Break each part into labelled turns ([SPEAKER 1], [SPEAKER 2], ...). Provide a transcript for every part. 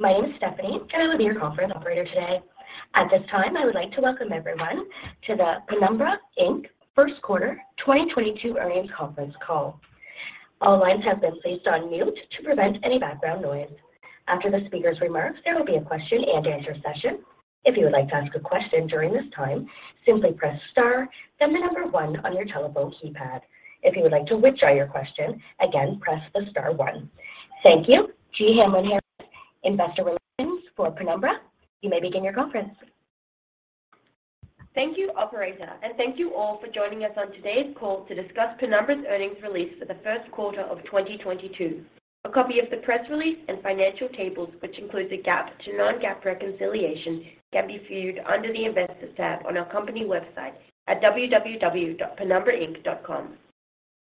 [SPEAKER 1] My name is Stephanie, and I will be your conference operator today. At this time, I would like to welcome everyone to the Penumbra, Inc. Q1 2022 earnings conference call. All lines have been placed on mute to prevent any background noise. After the speaker's remarks, there will be a question-and-answer session. If you would like to ask a question during this time, simply press star, then the number one on your telephone keypad. If you would like to withdraw your question, again, press the star one. Thank you. Jee Hamlyn-Harris, investor relations for Penumbra, Inc., you may begin your conference.
[SPEAKER 2] Thank you, operator, and thank you all for joining us on today's call to discuss Penumbra's earnings release for the Q1 of 2022. A copy of the press release and financial tables, which includes a GAAP to non-GAAP reconciliation, can be viewed under the Investors tab on our company website at www.penumbrainc.com.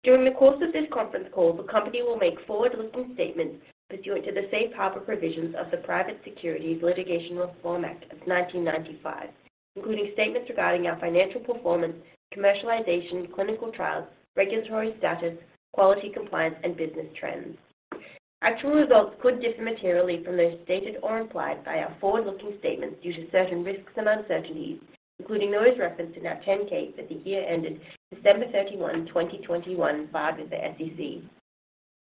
[SPEAKER 2] During the course of this conference call, the company will make forward-looking statements pursuant to the Safe Harbor provisions of the Private Securities Litigation Reform Act of 1995, including statements regarding our financial performance, commercialization, clinical trials, regulatory status, quality compliance, and business trends. Actual results could differ materially from those stated or implied by our forward-looking statements due to certain risks and uncertainties, including those referenced in our Form 10-K for the year ended December 31, 2021, filed with the SEC.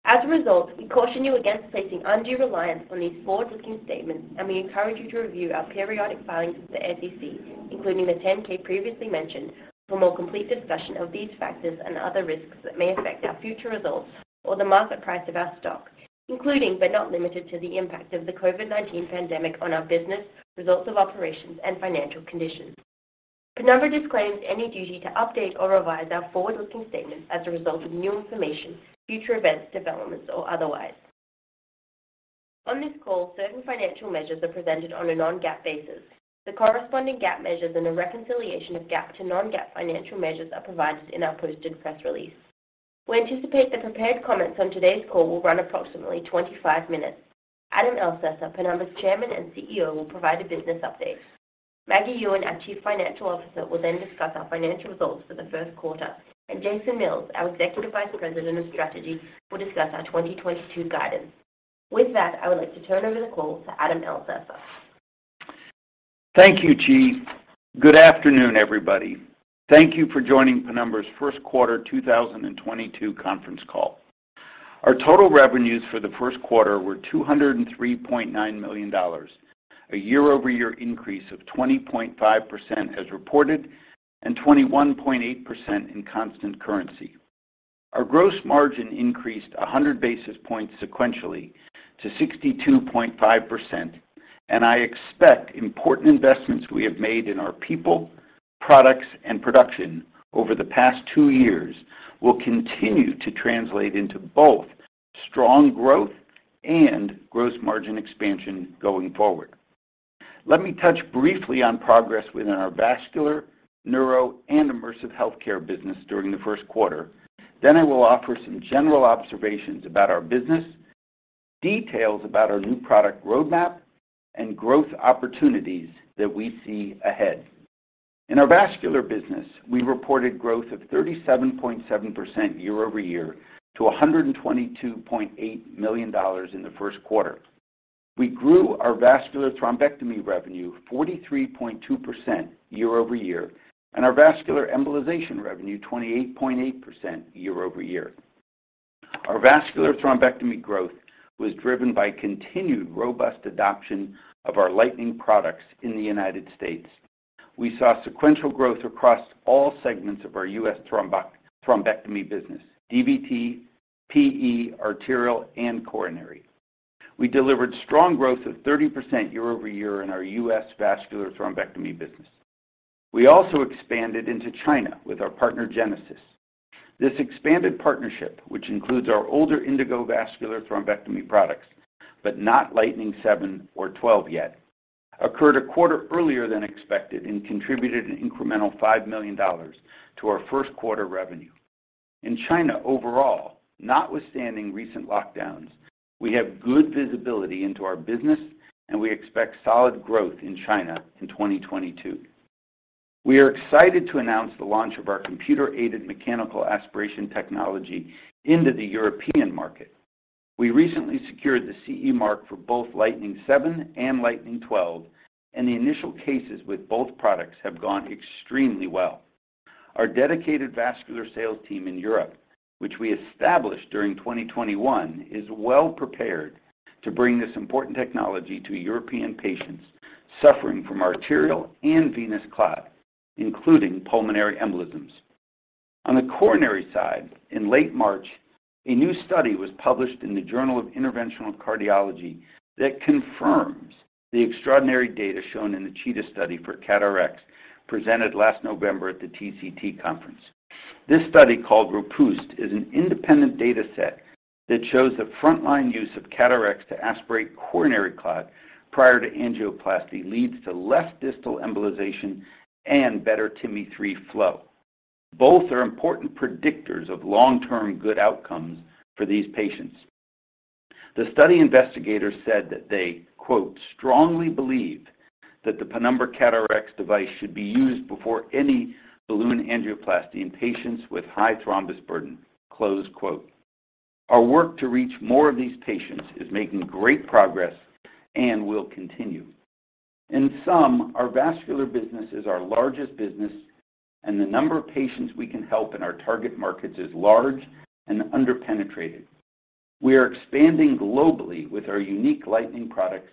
[SPEAKER 2] As a result, we caution you against placing undue reliance on these forward-looking statements, and we encourage you to review our periodic filings with the SEC, including the 10-K previously mentioned, for more complete discussion of these factors and other risks that may affect our future results or the market price of our stock, including but not limited to the impact of the COVID-19 pandemic on our business, results of operations, and financial conditions. Penumbra disclaims any duty to update or revise our forward-looking statements as a result of new information, future events, developments, or otherwise. On this call, certain financial measures are presented on a non-GAAP basis. The corresponding GAAP measures and a reconciliation of GAAP to non-GAAP financial measures are provided in our posted press release. We anticipate the prepared comments on today's call will run approximately 25 minutes. Adam Elsesser, Penumbra's Chairman and CEO, will provide a business update. Maggie Yuen, our Chief Financial Officer, will then discuss our financial results for the Q1. Jason Mills, our Executive Vice President of Strategy, will discuss our 2022 guidance. With that, I would like to turn over the call to Adam Elsesser.
[SPEAKER 3] Thank you, Jee. Good afternoon, everybody. Thank you for joining Penumbra's Q1 2022 conference call. Our total revenues for the Q1 were $203.9 million, a year-over-year increase of 20.5% as reported and 21.8% in constant currency. Our gross margin increased 100 basis points sequentially to 62.5%, and I expect important investments we have made in our people, products, and production over the past two years will continue to translate into both strong growth and gross margin expansion going forward. Let me touch briefly on progress within our vascular, neuro, and immersive healthcare business during the Q1. Then I will offer some general observations about our business, details about our new product roadmap, and growth opportunities that we see ahead. In our vascular business, we reported growth of 37.7% year-over-year to $122.8 million in the Q1. We grew our vascular thrombectomy revenue 43.2% year-over-year and our vascular embolization revenue 28.8% year-over-year. Our vascular thrombectomy growth was driven by continued robust adoption of our Lightning products in the United States. We saw sequential growth across all segments of our U.S. thrombectomy business, DVT, PE, arterial, and coronary. We delivered strong growth of 30% year-over-year in our U.S. vascular thrombectomy business. We also expanded into China with our partner, Genesis. This expanded partnership, which includes our older Indigo vascular thrombectomy products, but not Lightning 7 or 12 yet, occurred a quarter earlier than expected and contributed an incremental $5 million to our Q1 revenue. In China overall, notwithstanding recent lockdowns, we have good visibility into our business, and we expect solid growth in China in 2022. We are excited to announce the launch of our computer-aided mechanical aspiration technology into the European market. We recently secured the CE mark for both Lightning 7 and Lightning 12, and the initial cases with both products have gone extremely well. Our dedicated vascular sales team in Europe, which we established during 2021, is well prepared to bring this important technology to European patients suffering from arterial and venous clot, including pulmonary embolisms. On the coronary side, in late March, a new study was published in the Journal of Interventional Cardiology that confirms the extraordinary data shown in the CHEETAH study for CAT RX presented last November at the TCT conference. This study, called ROPUST, is an independent data set that shows the frontline use of CAT RX to aspirate coronary clot prior to angioplasty leads to less distal embolization and better TIMI 3 flow. Both are important predictors of long-term good outcomes for these patients. The study investigators said that they, quote, "strongly believe that the Penumbra CAT RX device should be used before any balloon angioplasty in patients with high thrombus burden." Close quote. Our work to reach more of these patients is making great progress and will continue. In sum, our vascular business is our largest business, and the number of patients we can help in our target markets is large and under-penetrated. We are expanding globally with our unique Lightning products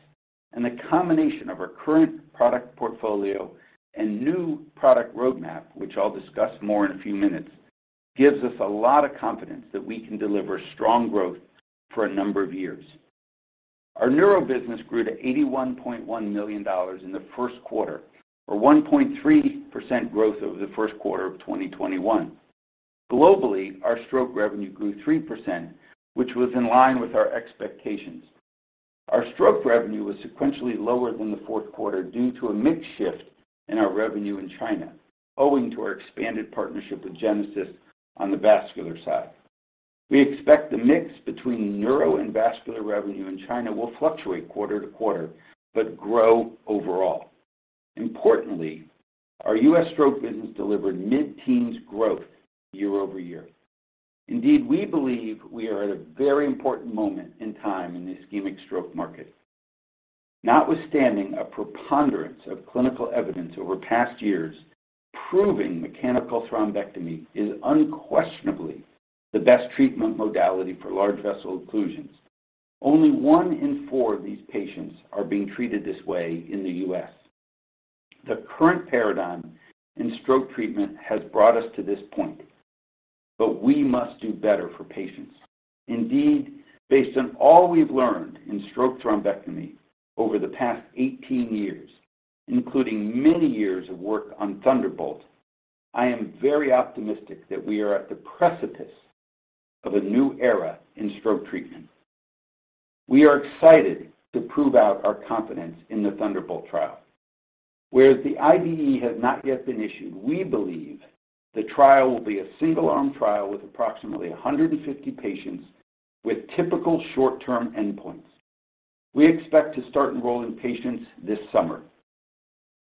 [SPEAKER 3] and the combination of our current product portfolio and new product roadmap, which I'll discuss more in a few minutes, gives us a lot of confidence that we can deliver strong growth for a number of years. Our neuro business grew to $81.1 million in the Q1 or 1.3% growth over the Q1 of 2021. Globally, our stroke revenue grew 3%, which was in line with our expectations. Our stroke revenue was sequentially lower than the Q4 due to a mix shift in our revenue in China, owing to our expanded partnership with Genesis on the vascular side. We expect the mix between neuro and vascular revenue in China will fluctuate quarter to quarter but grow overall. Importantly, our U.S. stroke business delivered mid-teens growth year-over-year. Indeed, we believe we are at a very important moment in time in the ischemic stroke market. Notwithstanding a preponderance of clinical evidence over past years proving mechanical thrombectomy is unquestionably the best treatment modality for large vessel occlusions, only one in four of these patients are being treated this way in the U.S. The current paradigm in stroke treatment has brought us to this point, but we must do better for patients. Indeed, based on all we've learned in stroke thrombectomy over the past 18 years, including many years of work on Thunderbolt, I am very optimistic that we are at the precipice of a new era in stroke treatment. We are excited to prove out our confidence in the Thunderbolt trial. Whereas the IDE has not yet been issued, we believe the trial will be a single-arm trial with approximately 150 patients with typical short-term endpoints. We expect to start enrolling patients this summer.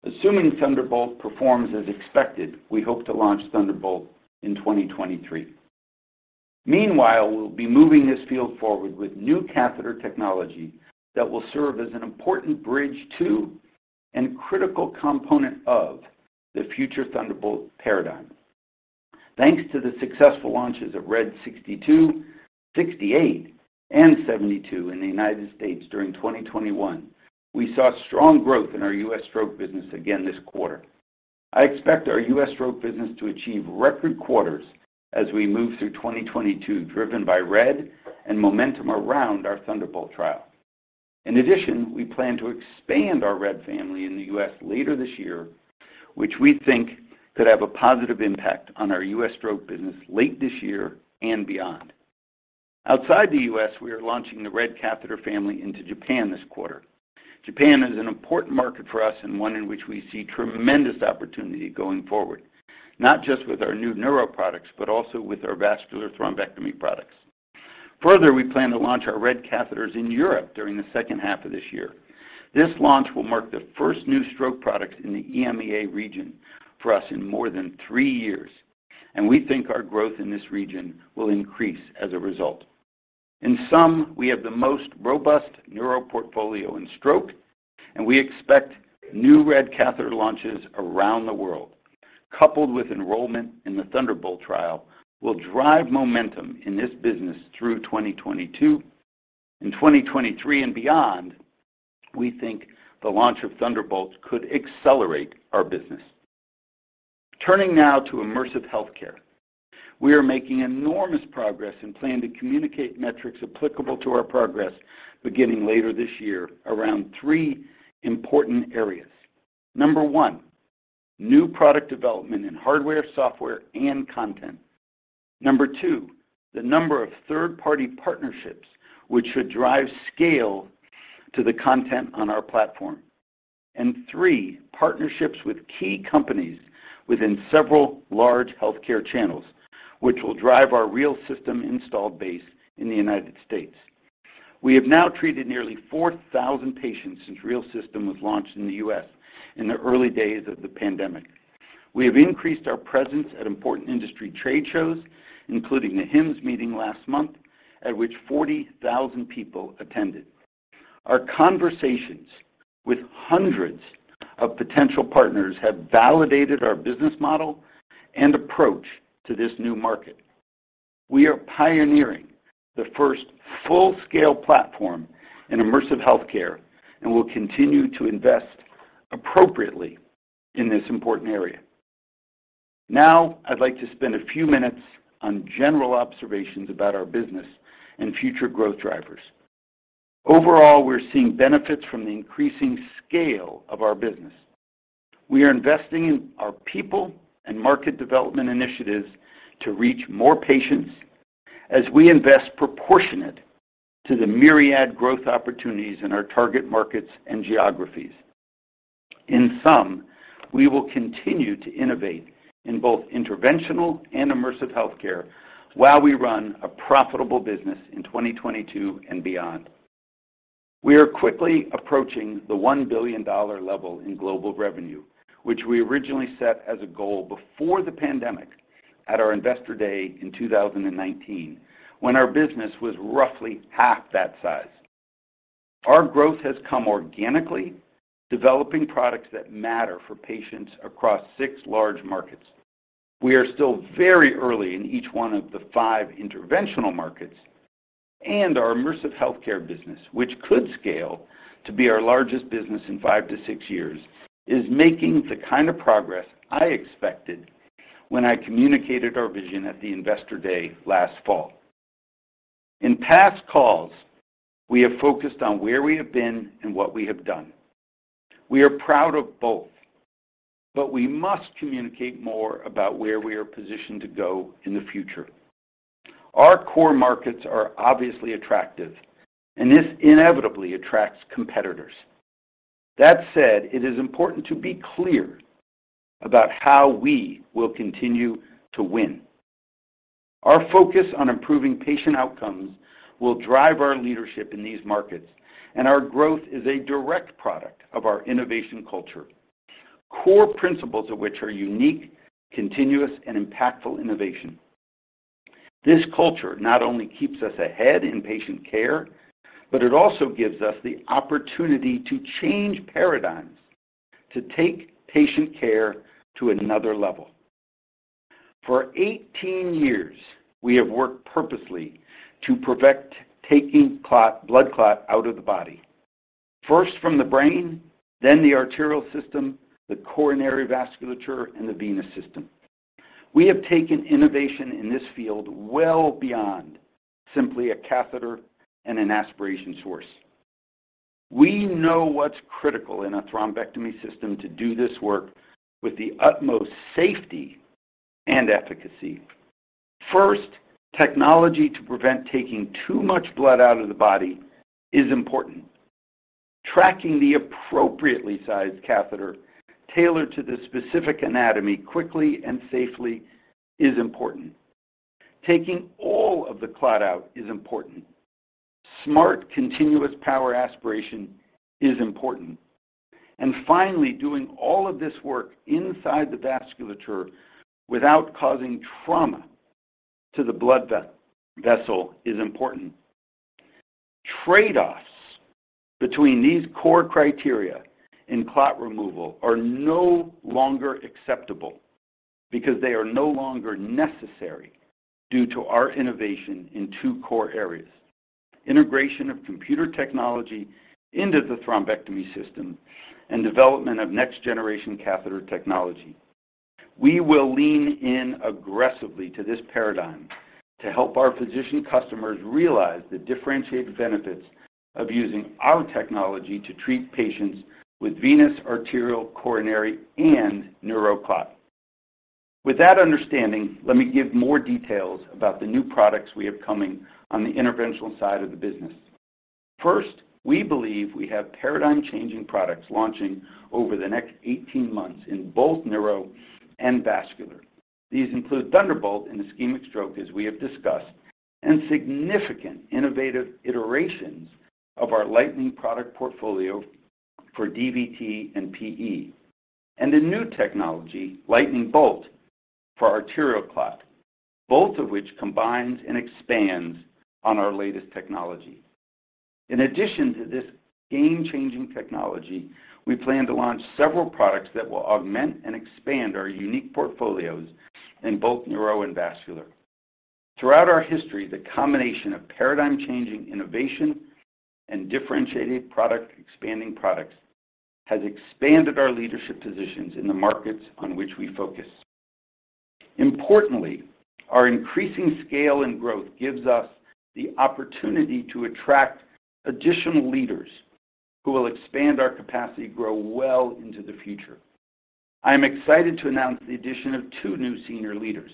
[SPEAKER 3] Assuming Thunderbolt performs as expected, we hope to launch Thunderbolt in 2023. Meanwhile, we'll be moving this field forward with new catheter technology that will serve as an important bridge to and critical component of the future Thunderbolt paradigm. Thanks to the successful launches of RED 62, 68, and 72 in the United States during 2021, we saw strong growth in our U.S. stroke business again this quarter. I expect our U.S. stroke business to achieve record quarters as we move through 2022, driven by RED and momentum around our Thunderbolt trial. In addition, we plan to expand our RED family in the U.S. later this year, which we think could have a positive impact on our U.S. stroke business late this year and beyond. Outside the U.S., we are launching the RED catheter family into Japan this quarter. Japan is an important market for us and one in which we see tremendous opportunity going forward, not just with our new neuro products, but also with our vascular thrombectomy products. Further, we plan to launch our RED catheters in Europe during the second half of this year. This launch will mark the first new stroke product in the EMEA region for us in more than three years, and we think our growth in this region will increase as a result. In sum, we have the most robust neuro portfolio in stroke, and we expect new RED catheter launches around the world, coupled with enrollment in the Thunderbolt trial, will drive momentum in this business through 2022. In 2023 and beyond, we think the launch of Thunderbolt could accelerate our business. Turning now to immersive healthcare. We are making enormous progress and plan to communicate metrics applicable to our progress beginning later this year around three important areas. Number one, new product development in hardware, software, and content. Number two, the number of third-party partnerships which should drive scale to the content on our platform. Three, partnerships with key companies within several large healthcare channels, which will drive our REAL System installed base in the United States. We have now treated nearly 4,000 patients since REAL System was launched in the U.S. in the early days of the pandemic. We have increased our presence at important industry trade shows, including the HIMSS meeting last month, at which 40,000 people attended. Our conversations with hundreds of potential partners have validated our business model and approach to this new market. We are pioneering the first full-scale platform in immersive healthcare and will continue to invest appropriately in this important area. Now, I'd like to spend a few minutes on general observations about our business and future growth drivers. Overall, we're seeing benefits from the increasing scale of our business. We are investing in our people and market development initiatives to reach more patients as we invest proportionate to the myriad growth opportunities in our target markets and geographies. In sum, we will continue to innovate in both interventional and immersive healthcare while we run a profitable business in 2022 and beyond. We are quickly approaching the $1 billion level in global revenue, which we originally set as a goal before the pandemic at our Investor Day in 2019, when our business was roughly half that size. Our growth has come organically, developing products that matter for patients across six large markets. We are still very early in each one of the five interventional markets, and our immersive healthcare business, which could scale to be our largest business in 5-6 years, is making the kind of progress I expected when I communicated our vision at the Investor Day last fall. In past calls, we have focused on where we have been and what we have done. We are proud of both, but we must communicate more about where we are positioned to go in the future. Our core markets are obviously attractive, and this inevitably attracts competitors. That said, it is important to be clear about how we will continue to win. Our focus on improving patient outcomes will drive our leadership in these markets, and our growth is a direct product of our innovation culture, core principles of which are unique, continuous and impactful innovation. This culture not only keeps us ahead in patient care, but it also gives us the opportunity to change paradigms to take patient care to another level. For 18 years, we have worked purposely to perfect taking blood clot out of the body, first from the brain, then the arterial system, the coronary vasculature, and the venous system. We have taken innovation in this field well beyond simply a catheter and an aspiration source. We know what's critical in a thrombectomy system to do this work with the utmost safety and efficacy. First, technology to prevent taking too much blood out of the body is important. Tracking the appropriately sized catheter tailored to the specific anatomy quickly and safely is important. Taking all of the clot out is important. Smart, continuous power aspiration is important. Finally, doing all of this work inside the vasculature without causing trauma to the blood vessel is important. Trade-offs between these core criteria and clot removal are no longer acceptable because they are no longer necessary due to our innovation in two core areas, integration of computer technology into the thrombectomy system and development of next-generation catheter technology. We will lean in aggressively to this paradigm to help our physician customers realize the differentiated benefits of using our technology to treat patients with venous, arterial, coronary, and neuro clot. With that understanding, let me give more details about the new products we have coming on the interventional side of the business. First, we believe we have paradigm-changing products launching over the next 18 months in both neuro and vascular. These include Thunderbolt and ischemic stroke, as we have discussed, and significant innovative iterations of our Lightning product portfolio for DVT and PE, and a new technology, Lightning Bolt, for arterial clot, both of which combines and expands on our latest technology. In addition to this game-changing technology, we plan to launch several products that will augment and expand our unique portfolios in both neuro and vascular. Throughout our history, the combination of paradigm-changing innovation and differentiated product, expanding products has expanded our leadership positions in the markets on which we focus. Importantly, our increasing scale and growth gives us the opportunity to attract additional leaders who will expand our capacity to grow well into the future. I am excited to announce the addition of two new senior leaders.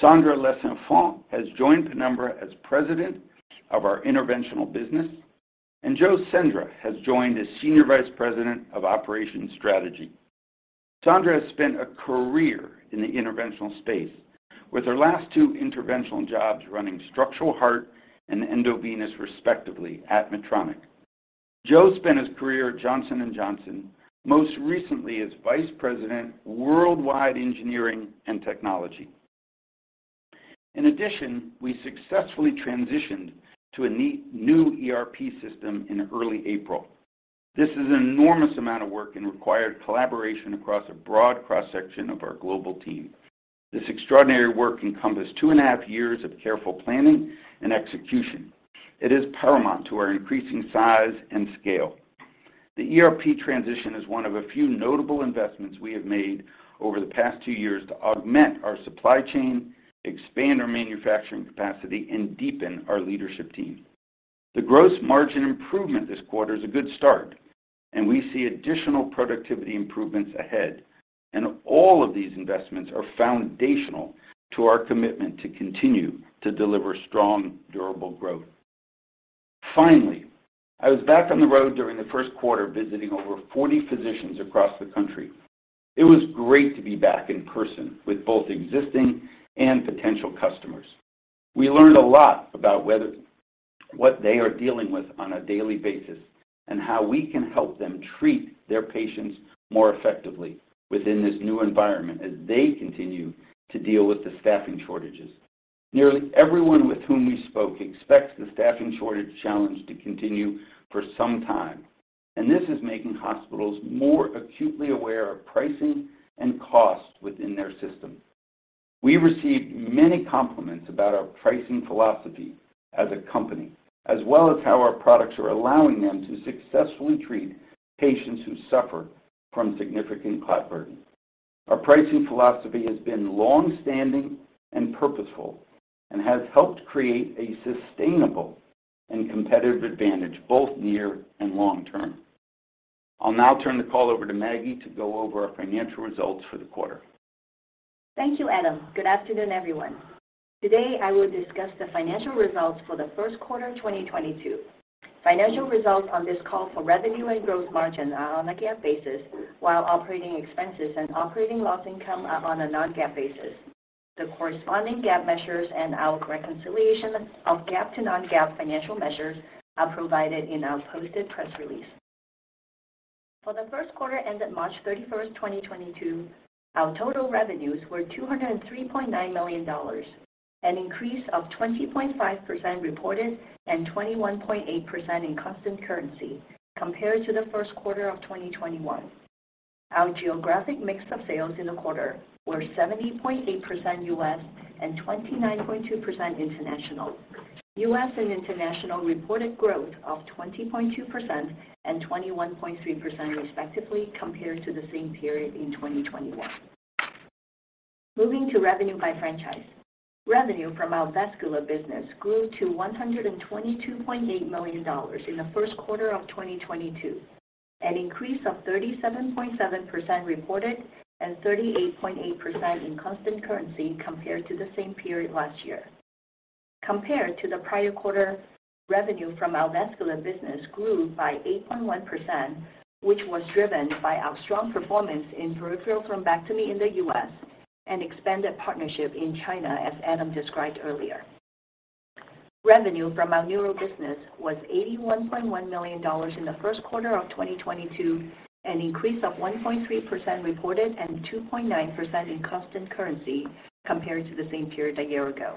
[SPEAKER 3] Sandra Lesenfants has joined Penumbra as President of our Interventional Business, and Joe Sendra has joined as Senior Vice President of Operations Strategy. Sandra has spent a career in the interventional space with her last two interventional jobs running structural heart and endovenous, respectively, at Medtronic. Joe spent his career at Johnson & Johnson, most recently as Vice President, Worldwide Engineering and Technology. In addition, we successfully transitioned to a new ERP system in early April. This is an enormous amount of work and required collaboration across a broad cross-section of our global team. This extraordinary work encompassed 2.5 years of careful planning and execution. It is paramount to our increasing size and scale. The ERP transition is one of a few notable investments we have made over the past 2 years to augment our supply chain, expand our manufacturing capacity, and deepen our leadership team. The gross margin improvement this quarter is a good start, and we see additional productivity improvements ahead. All of these investments are foundational to our commitment to continue to deliver strong, durable growth. Finally, I was back on the road during the Q1, visiting over 40 physicians across the country. It was great to be back in person with both existing and potential customers. We learned a lot about what they are dealing with on a daily basis and how we can help them treat their patients more effectively within this new environment as they continue to deal with the staffing shortages. Nearly everyone with whom we spoke expects the staffing shortage challenge to continue for some time, and this is making hospitals more acutely aware of pricing and cost within their system. We received many compliments about our pricing philosophy as a company, as well as how our products are allowing them to successfully treat patients who suffer from significant clot burden. Our pricing philosophy has been long-standing and purposeful and has helped create a sustainable and competitive advantage, both near and long term. I'll now turn the call over to Maggie to go over our financial results for the quarter.
[SPEAKER 4] Thank you, Adam. Good afternoon, everyone. Today, I will discuss the financial results for the Q1 of 2022. Financial results on this call for revenue and gross margin are on a GAAP basis, while operating expenses and operating loss or income are on a non-GAAP basis. The corresponding GAAP measures and our reconciliation of GAAP to non-GAAP financial measures are provided in our posted press release. For the Q1 ended March 31, 2022, our total revenues were $203.9 million, an increase of 20.5% reported and 21.8% in constant currency compared to the Q1 of 2021. Our geographic mix of sales in the quarter were 70.8% U.S. and 29.2% international. U.S. and international reported growth of 20.2% and 21.3% respectively compared to the same period in 2021. Moving to revenue by franchise. Revenue from our vascular business grew to $122.8 million in the Q1 of 2022, an increase of 37.7% reported and 38.8% in constant currency compared to the same period last year. Compared to the prior quarter, revenue from our vascular business grew by 8.1%, which was driven by our strong performance in peripheral thrombectomy in the U.S. and expanded partnership in China, as Adam described earlier. Revenue from our neuro business was $81.1 million in the Q1 of 2022, an increase of 1.3% reported and 2.9% in constant currency compared to the same period a year ago.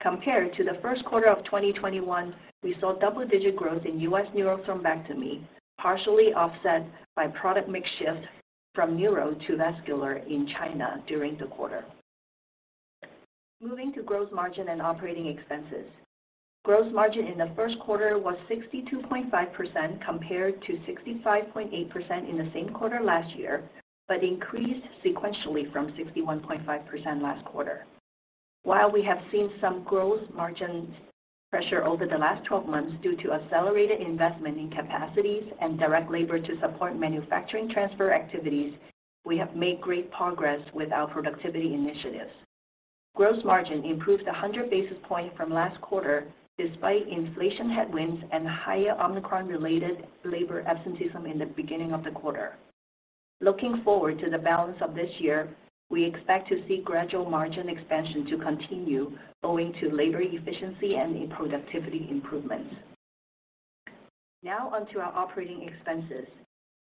[SPEAKER 4] Compared to the Q1 of 2021, we saw double-digit growth in U.S. neuro thrombectomy, partially offset by product mix shift from neuro to vascular in China during the quarter. Moving to gross margin and operating expenses. Gross margin in the Q1 was 62.5% compared to 65.8% in the same quarter last year, but increased sequentially from 61.5% last quarter. While we have seen some gross margin pressure over the last 12 months due to accelerated investment in capacities and direct labor to support manufacturing transfer activities, we have made great progress with our productivity initiatives. Gross margin improved 100 basis points from last quarter despite inflation headwinds and higher Omicron-related labor absenteeism in the beginning of the quarter. Looking forward to the balance of this year, we expect to see gradual margin expansion to continue owing to labor efficiency and productivity improvements. Now on to our operating expenses.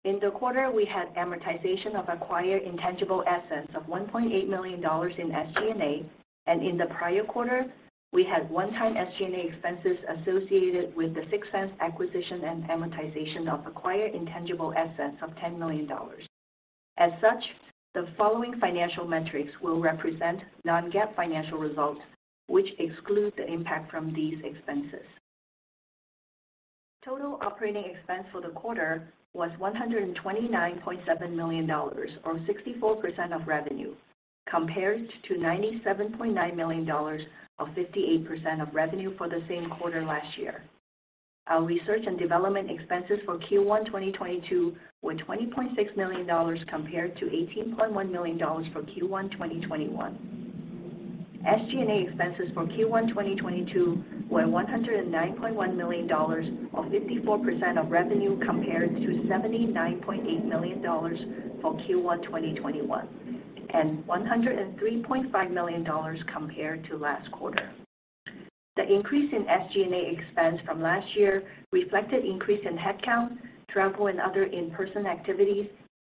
[SPEAKER 4] In the quarter, we had amortization of acquired intangible assets of $1.8 million in SG&A, and in the prior quarter, we had one-time SG&A expenses associated with the Sixense acquisition and amortization of acquired intangible assets of $10 million. As such, the following financial metrics will represent non-GAAP financial results, which exclude the impact from these expenses. Total operating expense for the quarter was $129.7 million or 64% of revenue, compared to $97.9 million or 58% of revenue for the same quarter last year. Our research and development expenses for Q1 2022 were $20.6 million compared to $18.1 million for Q1 2021. SG&A expenses for Q1 2022 were $109.1 million or 54% of revenue compared to $79.8 million for Q1 2021, and $103.5 million compared to last quarter. The increase in SG&A expense from last year reflected increase in headcount, travel and other in-person activities,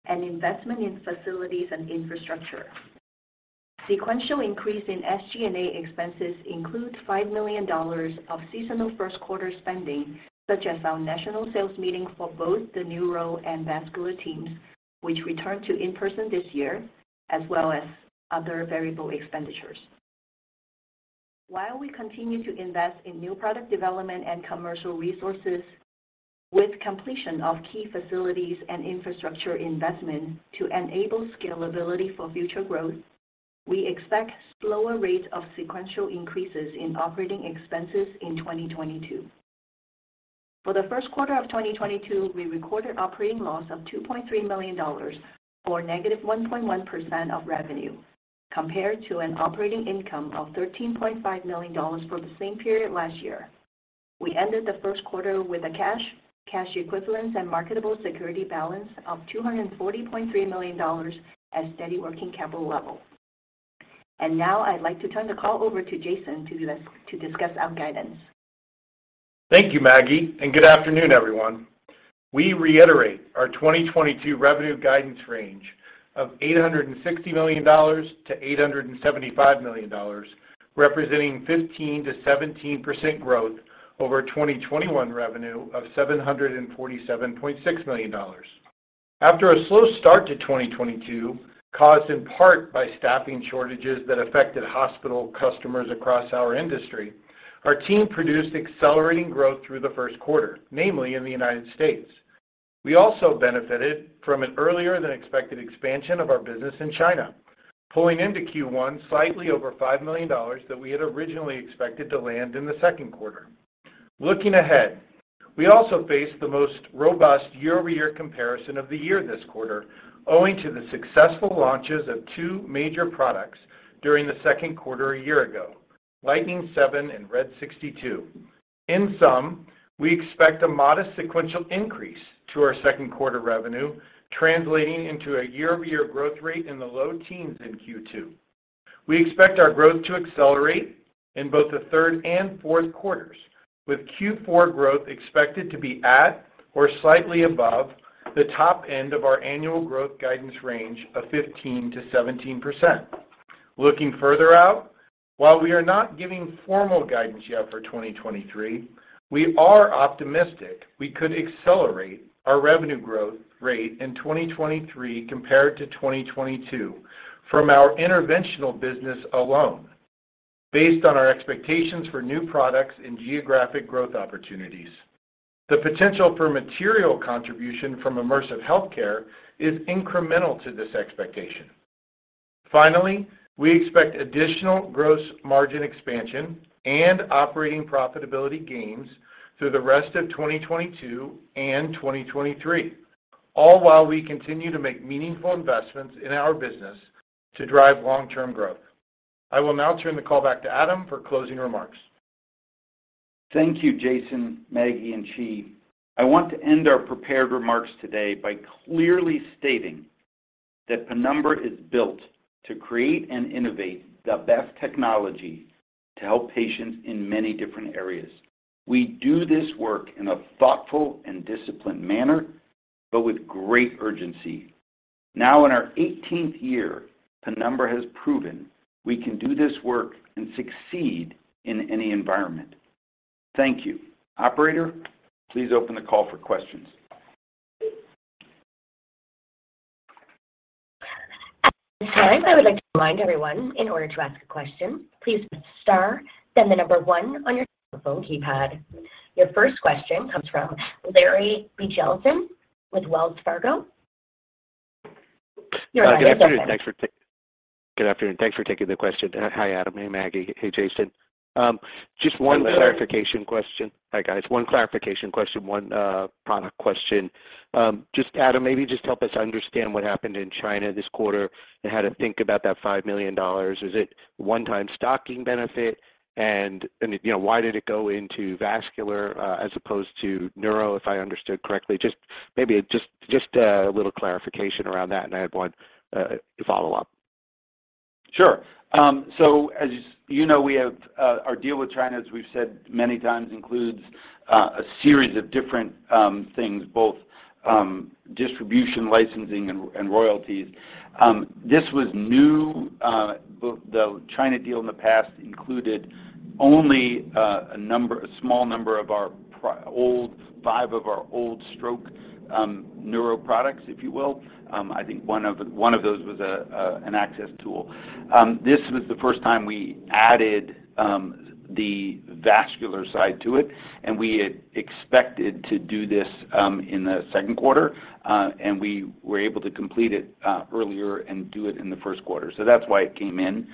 [SPEAKER 4] and investment in facilities and infrastructure. Sequential increase in SG&A expenses includes $5 million of seasonal Q1 spending, such as our national sales meeting for both the neuro and vascular teams, which returned to in-person this year, as well as other variable expenditures. While we continue to invest in new product development and commercial resources with completion of key facilities and infrastructure investment to enable scalability for future growth, we expect slower rate of sequential increases in operating expenses in 2022. For the Q1 of 2022, we recorded operating loss of $2.3 million, or -1.1% of revenue, compared to an operating income of $13.5 million for the same period last year. We ended the Q1 with a cash equivalents, and marketable security balance of $240.3 million and steady working capital level. Now I'd like to turn the call over to Jason to discuss our guidance.
[SPEAKER 5] Thank you, Maggie, and good afternoon, everyone. We reiterate our 2022 revenue guidance range of $860 million-$875 million, representing 15%-17% growth over 2021 revenue of $747.6 million. After a slow start to 2022, caused in part by staffing shortages that affected hospital customers across our industry, our team produced accelerating growth through the Q1, namely in the United States. We also benefited from an earlier than expected expansion of our business in China, pulling into Q1 slightly over $5 million that we had originally expected to land in the Q2. Looking ahead, we also face the most robust year-over-year comparison of the year this quarter owing to the successful launches of two major products during the Q2 a year ago, Lightning 7 and RED 62. In sum, we expect a modest sequential increase to our Q2 revenue, translating into a year-over-year growth rate in the low teens in Q2. We expect our growth to accelerate in both the Q3 and Q4s, with Q4 growth expected to be at or slightly above the top end of our annual growth guidance range of 15%-17%. Looking further out, while we are not giving formal guidance yet for 2023, we are optimistic we could accelerate our revenue growth rate in 2023 compared to 2022 from our interventional business alone based on our expectations for new products and geographic growth opportunities. The potential for material contribution from immersive healthcare is incremental to this expectation. Finally, we expect additional gross margin expansion and operating profitability gains through the rest of 2022 and 2023, all while we continue to make meaningful investments in our business to drive long-term growth. I will now turn the call back to Adam for closing remarks.
[SPEAKER 3] Thank you, Jason, Maggie, and Jee. I want to end our prepared remarks today by clearly stating that Penumbra is built to create and innovate the best technology to help patients in many different areas. We do this work in a thoughtful and disciplined manner, but with great urgency. Now in our eighteenth year, Penumbra has proven we can do this work and succeed in any environment. Thank you. Operator, please open the call for questions.
[SPEAKER 1] At this time, I would like to remind everyone in order to ask a question, please press star then the number one on your telephone keypad. Your first question comes from Larry Biegelsen with Wells Fargo. Your line is open.
[SPEAKER 6] Good afternoon. Thanks for taking the question. Hi Adam, hey Maggie, hey Jason. Just one-
[SPEAKER 3] Hey, Larry.
[SPEAKER 6] Clarification question. Hi, guys. One clarification question, one product question. Just Adam, maybe just help us understand what happened in China this quarter and how to think about that $5 million. Is it one-time stocking benefit? You know, why did it go into vascular as opposed to neuro, if I understood correctly? Just a little clarification around that, and I have one follow-up.
[SPEAKER 3] Sure. As you know, we have our deal with China, as we've said many times, includes a series of different things, both distribution licensing and royalties. This was new. The China deal in the past included only a small number of our old stroke neuro products, if you will. I think one of those was an access tool. This was the first time we added the vascular side to it, and we had expected to do this in the Q2. We were able to complete it earlier and do it in the Q1. That's why it came in,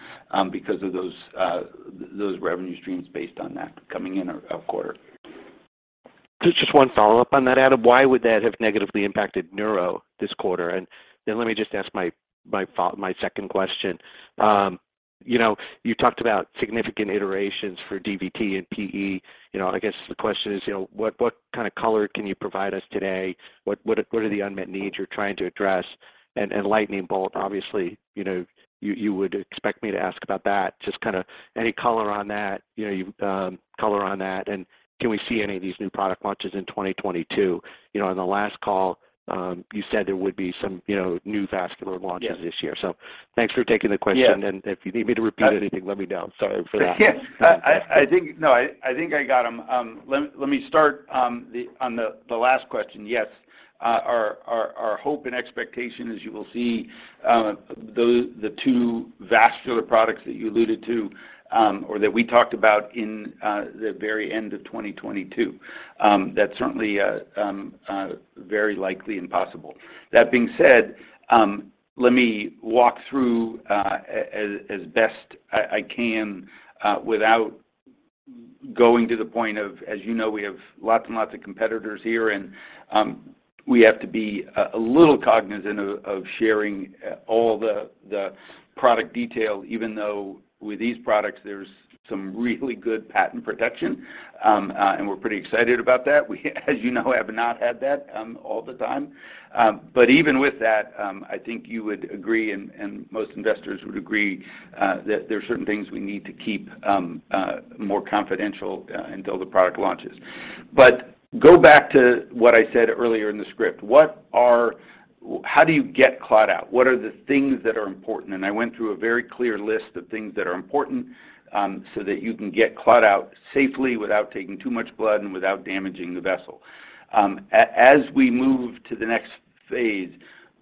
[SPEAKER 3] because of those revenue streams based on that coming in our quarter.
[SPEAKER 6] Just one follow-up on that, Adam. Why would that have negatively impacted neuro this quarter? Let me just ask my second question. You know, you talked about significant iterations for DVT and PE. You know, I guess the question is, you know, what kind of color can you provide us today? What are the unmet needs you're trying to address? And Lightning Bolt, obviously, you know, you would expect me to ask about that. Just kind of any color on that, you know, color on that, and can we see any of these new product launches in 2022? You know, on the last call, you said there would be some, you know, new vascular launches this year.
[SPEAKER 3] Yes.
[SPEAKER 6] Thanks for taking the question.
[SPEAKER 3] Yeah.
[SPEAKER 6] If you need me to repeat anything, let me know. I'm sorry for that.
[SPEAKER 3] Yes. I think I got them. Let me start on the last question. Yes, our hope and expectation, as you will see, the two vascular products that you alluded to, or that we talked about in the very end of 2022, that's certainly very likely and possible. That being said, let me walk through as best I can without going to the point of, as you know, we have lots and lots of competitors here, and we have to be a little cognizant of sharing all the product detail, even though with these products there's some really good patent protection, and we're pretty excited about that. Well, as you know, we have not had that all the time. Even with that, I think you would agree and most investors would agree that there are certain things we need to keep more confidential until the product launches. Go back to what I said earlier in the script. How do you get clot out? What are the things that are important? I went through a very clear list of things that are important so that you can get clot out safely without taking too much blood and without damaging the vessel. As we move to the next phase,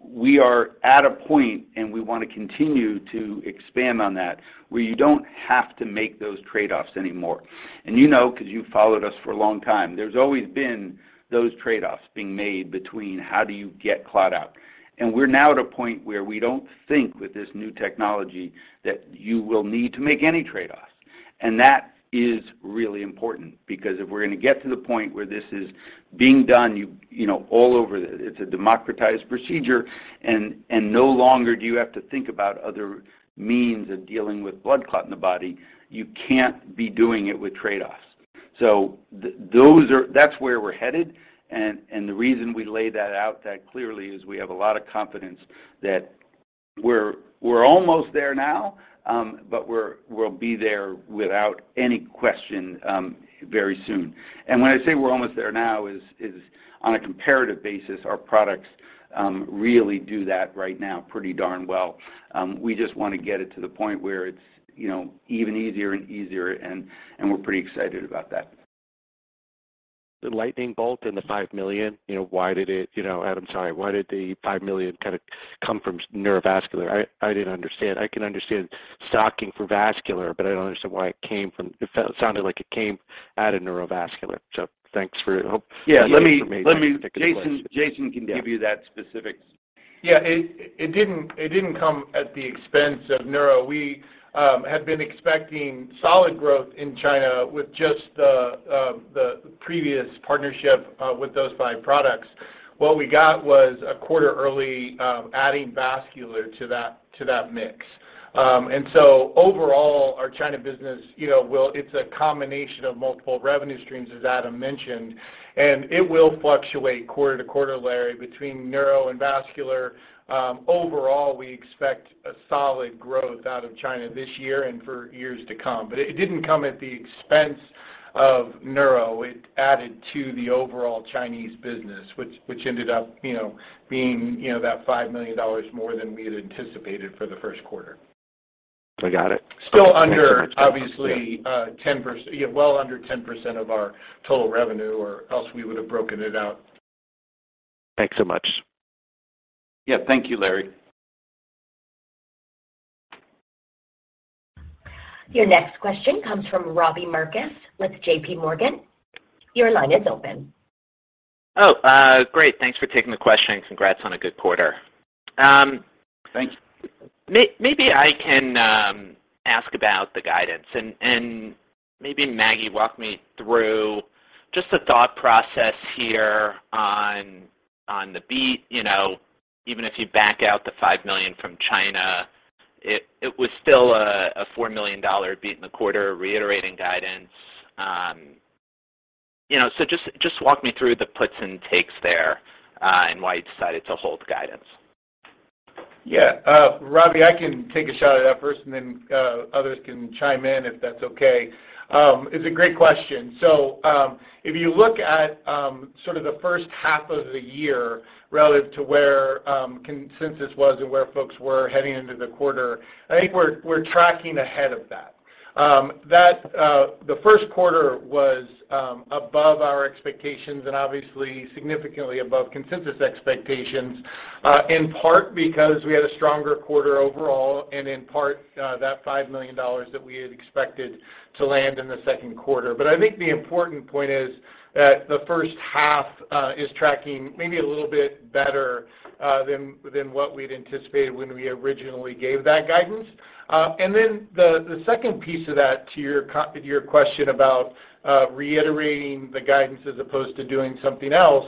[SPEAKER 3] we are at a point and we want to continue to expand on that where you don't have to make those trade-offs anymore. You know 'cause you've followed us for a long time, there's always been those trade-offs being made between how do you get clot out. We're now at a point where we don't think with this new technology that you will need to make any trade-offs. That is really important because if we're going to get to the point where this is being done, you know, all over, it's a democratized procedure and no longer do you have to think about other means of dealing with blood clot in the body. You can't be doing it with trade-offs. That's where we're headed, and the reason we lay that out that clearly is we have a lot of confidence that we're almost there now, but we'll be there without any question, very soon. When I say we're almost there now is on a comparative basis, our products really do that right now pretty darn well. We just want to get it to the point where it's, you know, even easier and easier and we're pretty excited about that.
[SPEAKER 6] The Lightning Bolt and the $5 million, you know, why did it, you know, Adam, sorry, why did the $5 million kind of come from neurovascular? I didn't understand. I can understand stocking for vascular, but I don't understand why it came from. It sounded like it came out of neurovascular. Thanks for your help.
[SPEAKER 3] Yeah. Jason can give you that specifics.
[SPEAKER 5] Yeah. It didn't come at the expense of neuro. We had been expecting solid growth in China with just the previous partnership with those five products. What we got was a quarter early adding vascular to that mix. Overall, our China business, you know. It's a combination of multiple revenue streams, as Adam mentioned, and it will fluctuate quarter to quarter, Larry, between neuro and vascular. Overall, we expect a solid growth out of China this year and for years to come. It didn't come at the expense of neuro. It added to the overall Chinese business, which ended up, you know, being, you know, that $5 million more than we had anticipated for the Q1.
[SPEAKER 6] I got it.
[SPEAKER 5] Still under, obviously.
[SPEAKER 6] Thanks so much. Yeah.
[SPEAKER 5] 10%, yeah, well under 10% of our total revenue or else we would have broken it out.
[SPEAKER 6] Thanks so much.
[SPEAKER 3] Yeah. Thank you, Larry.
[SPEAKER 1] Your next question comes from Robbie Marcus with JP Morgan. Your line is open.
[SPEAKER 7] Great. Thanks for taking the question, and congrats on a good quarter.
[SPEAKER 5] Thank you.
[SPEAKER 7] Maybe I can ask about the guidance and maybe Maggie walk me through just the thought process here on the beat. You know, even if you back out the $5 million from China, it was still a $4 million beat in the quarter reiterating guidance. You know, just walk me through the puts and takes there and why you decided to hold guidance.
[SPEAKER 5] Yeah. Robbie, I can take a shot at that first, and then, others can chime in, if that's okay. It's a great question. If you look at, sort of the first half of the year relative to where, consensus was and where folks were heading into the quarter, I think we're tracking ahead of that. The Q1 was above our expectations and obviously significantly above consensus expectations, in part because we had a stronger quarter overall and in part, that $5 million that we had expected to land in the Q1. I think the important point is that the first half is tracking maybe a little bit better than what we'd anticipated when we originally gave that guidance. The second piece of that to your question about reiterating the guidance as opposed to doing something else,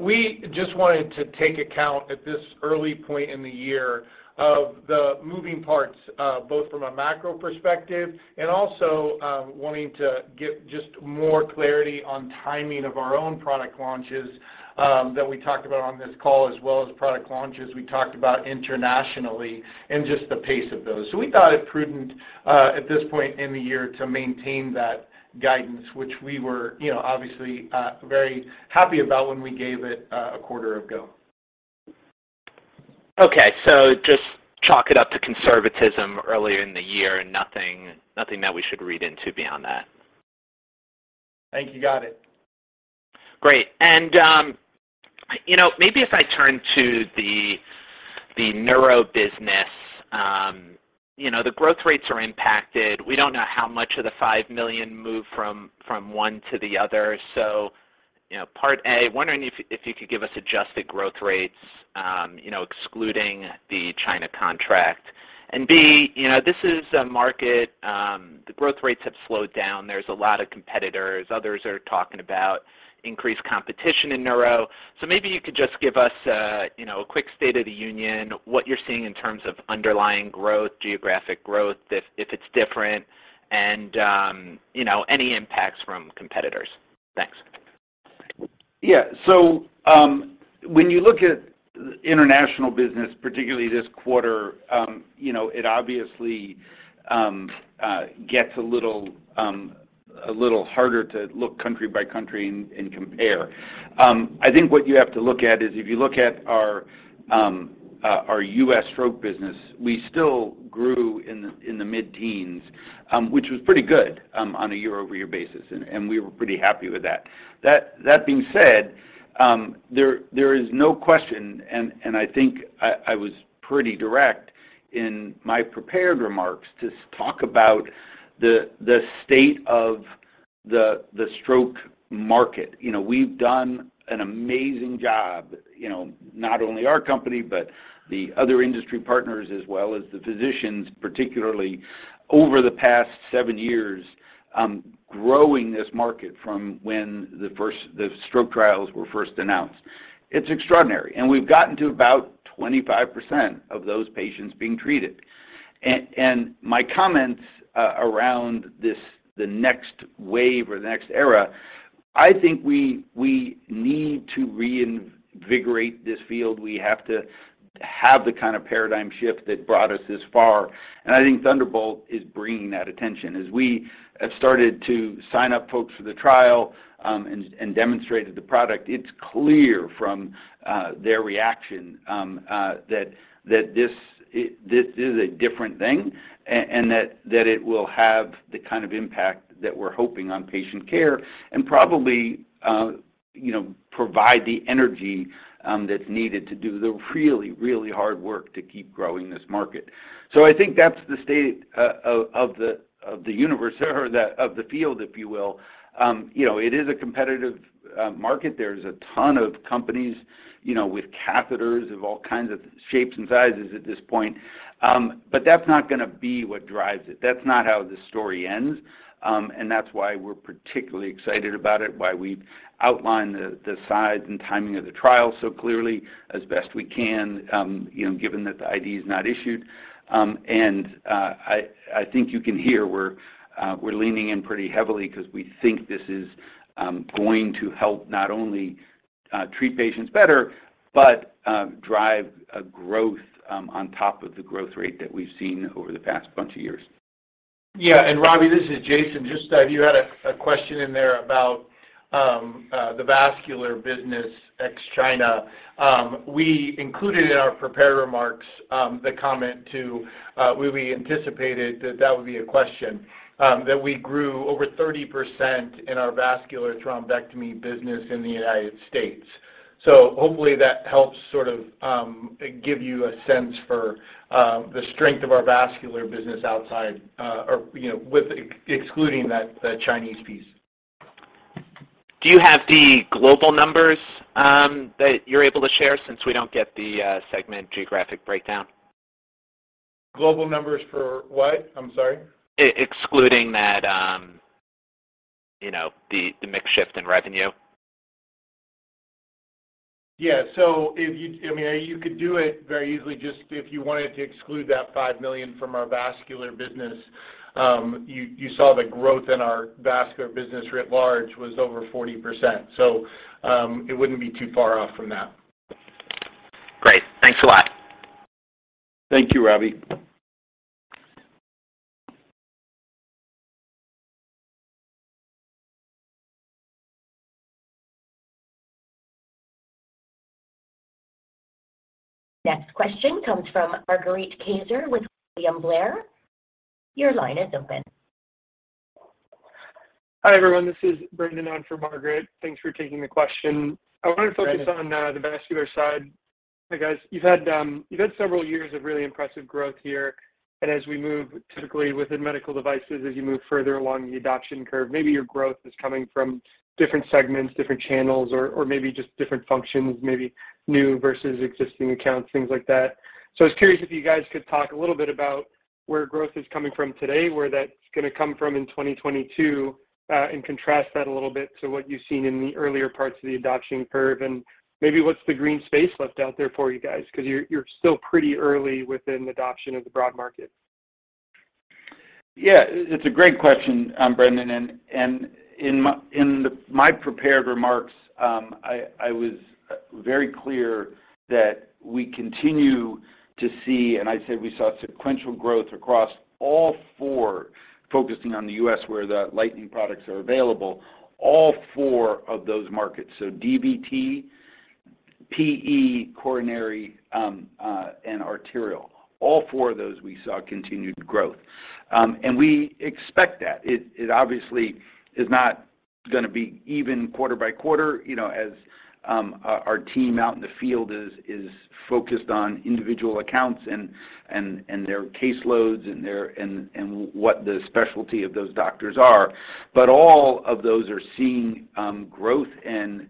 [SPEAKER 5] we just wanted to take into account at this early point in the year of the moving parts both from a macro perspective and also wanting to get just more clarity on timing of our own product launches that we talked about on this call as well as product launches we talked about internationally and just the pace of those. We thought it prudent at this point in the year to maintain that guidance, which we were, you know, obviously, very happy about when we gave it a quarter ago.
[SPEAKER 7] Okay. Just chalk it up to conservatism earlier in the year and nothing that we should read into beyond that.
[SPEAKER 5] Thank you. Got it.
[SPEAKER 7] Great. You know, maybe if I turn to the neuro business, you know, the growth rates are impacted. We don't know how much of the $5 million moved from one to the other. You know, part A, wondering if you could give us adjusted growth rates, you know, excluding the China contract. B, you know, this is a market, the growth rates have slowed down. There's a lot of competitors. Others are talking about increased competition in neuro. Maybe you could just give us a quick state of the union, what you're seeing in terms of underlying growth, geographic growth, if it's different and, you know, any impacts from competitors. Thanks.
[SPEAKER 3] Yeah. When you look at international business, particularly this quarter, you know, it obviously gets a little harder to look country by country and compare. I think what you have to look at is if you look at our U.S. stroke business, we still grew in the mid-teens, which was pretty good on a year-over-year basis. We were pretty happy with that. That being said, there is no question, and I think I was pretty direct in my prepared remarks to talk about the state of the stroke market. You know, we've done an amazing job, you know, not only our company, but the other industry partners as well as the physicians, particularly over the past seven years, growing this market from when the stroke trials were first announced. It's extraordinary. We've gotten to about 25% of those patients being treated. My comments around this, the next wave or the next era, I think we need to reinvigorate this field. We have to have the kind of paradigm shift that brought us this far. I think Thunderbolt is bringing that attention. As we have started to sign up folks for the trial, and demonstrated the product, it's clear from their reaction that this is a different thing and that it will have the kind of impact that we're hoping on patient care and probably, you know, provide the energy that's needed to do the really hard work to keep growing this market. I think that's the state of the universe or the field, if you will. You know, it is a competitive market. There's a ton of companies, you know, with catheters of all kinds of shapes and sizes at this point. But that's not gonna be what drives it. That's not how the story ends. That's why we're particularly excited about it, why we outlined the size and timing of the trial so clearly as best we can, you know, given that the IDE is not issued. I think you can hear we're leaning in pretty heavily because we think this is going to help not only treat patients better, but drive a growth on top of the growth rate that we've seen over the past bunch of years.
[SPEAKER 5] Yeah. Robbie, this is Jason. Just, you had a question in there about the vascular business ex-China. We included in our prepared remarks the comment that we anticipated that that would be a question, that we grew over 30% in our vascular thrombectomy business in the United States. Hopefully that helps sort of give you a sense for the strength of our vascular business outside or, you know, excluding that, the Chinese piece.
[SPEAKER 7] Do you have the global numbers that you're able to share since we don't get the segment geographic breakdown?
[SPEAKER 5] Global numbers for what? I'm sorry.
[SPEAKER 7] Excluding that, you know, the mix shift in revenue.
[SPEAKER 5] I mean, you could do it very easily just if you wanted to exclude that $5 million from our vascular business. You saw the growth in our vascular business writ large was over 40%. It wouldn't be too far off from that.
[SPEAKER 7] Great. Thanks a lot.
[SPEAKER 3] Thank you, Robbie.
[SPEAKER 1] Next question comes from Margaret Kaczor with William Blair. Your line is open.
[SPEAKER 8] Hi, everyone. This is Brendan on for Margaret. Thanks for taking the question.
[SPEAKER 3] Brandon.
[SPEAKER 8] I wanted to focus on the vascular side. You guys, you've had several years of really impressive growth here. As we move typically within medical devices, as you move further along the adoption curve, maybe your growth is coming from different segments, different channels, or maybe just different functions, maybe new versus existing accounts, things like that. I was curious if you guys could talk a little bit about where growth is coming from today, where that's gonna come from in 2022, and contrast that a little bit to what you've seen in the earlier parts of the adoption curve, and maybe what's the green space left out there for you guys because you're still pretty early within adoption of the broad market.
[SPEAKER 3] Yeah. It's a great question, Brendan, and in my prepared remarks, I was very clear that we continue to see, and I'd say we saw sequential growth across all four, focusing on the U.S. where the Lightning products are available, all four of those markets. DVT, PE, coronary, and arterial. All four of those we saw continued growth. We expect that. It obviously is not gonna be even quarter by quarter, you know, as our team out in the field is focused on individual accounts and their caseloads and what the specialty of those doctors are. All of those are seeing growth and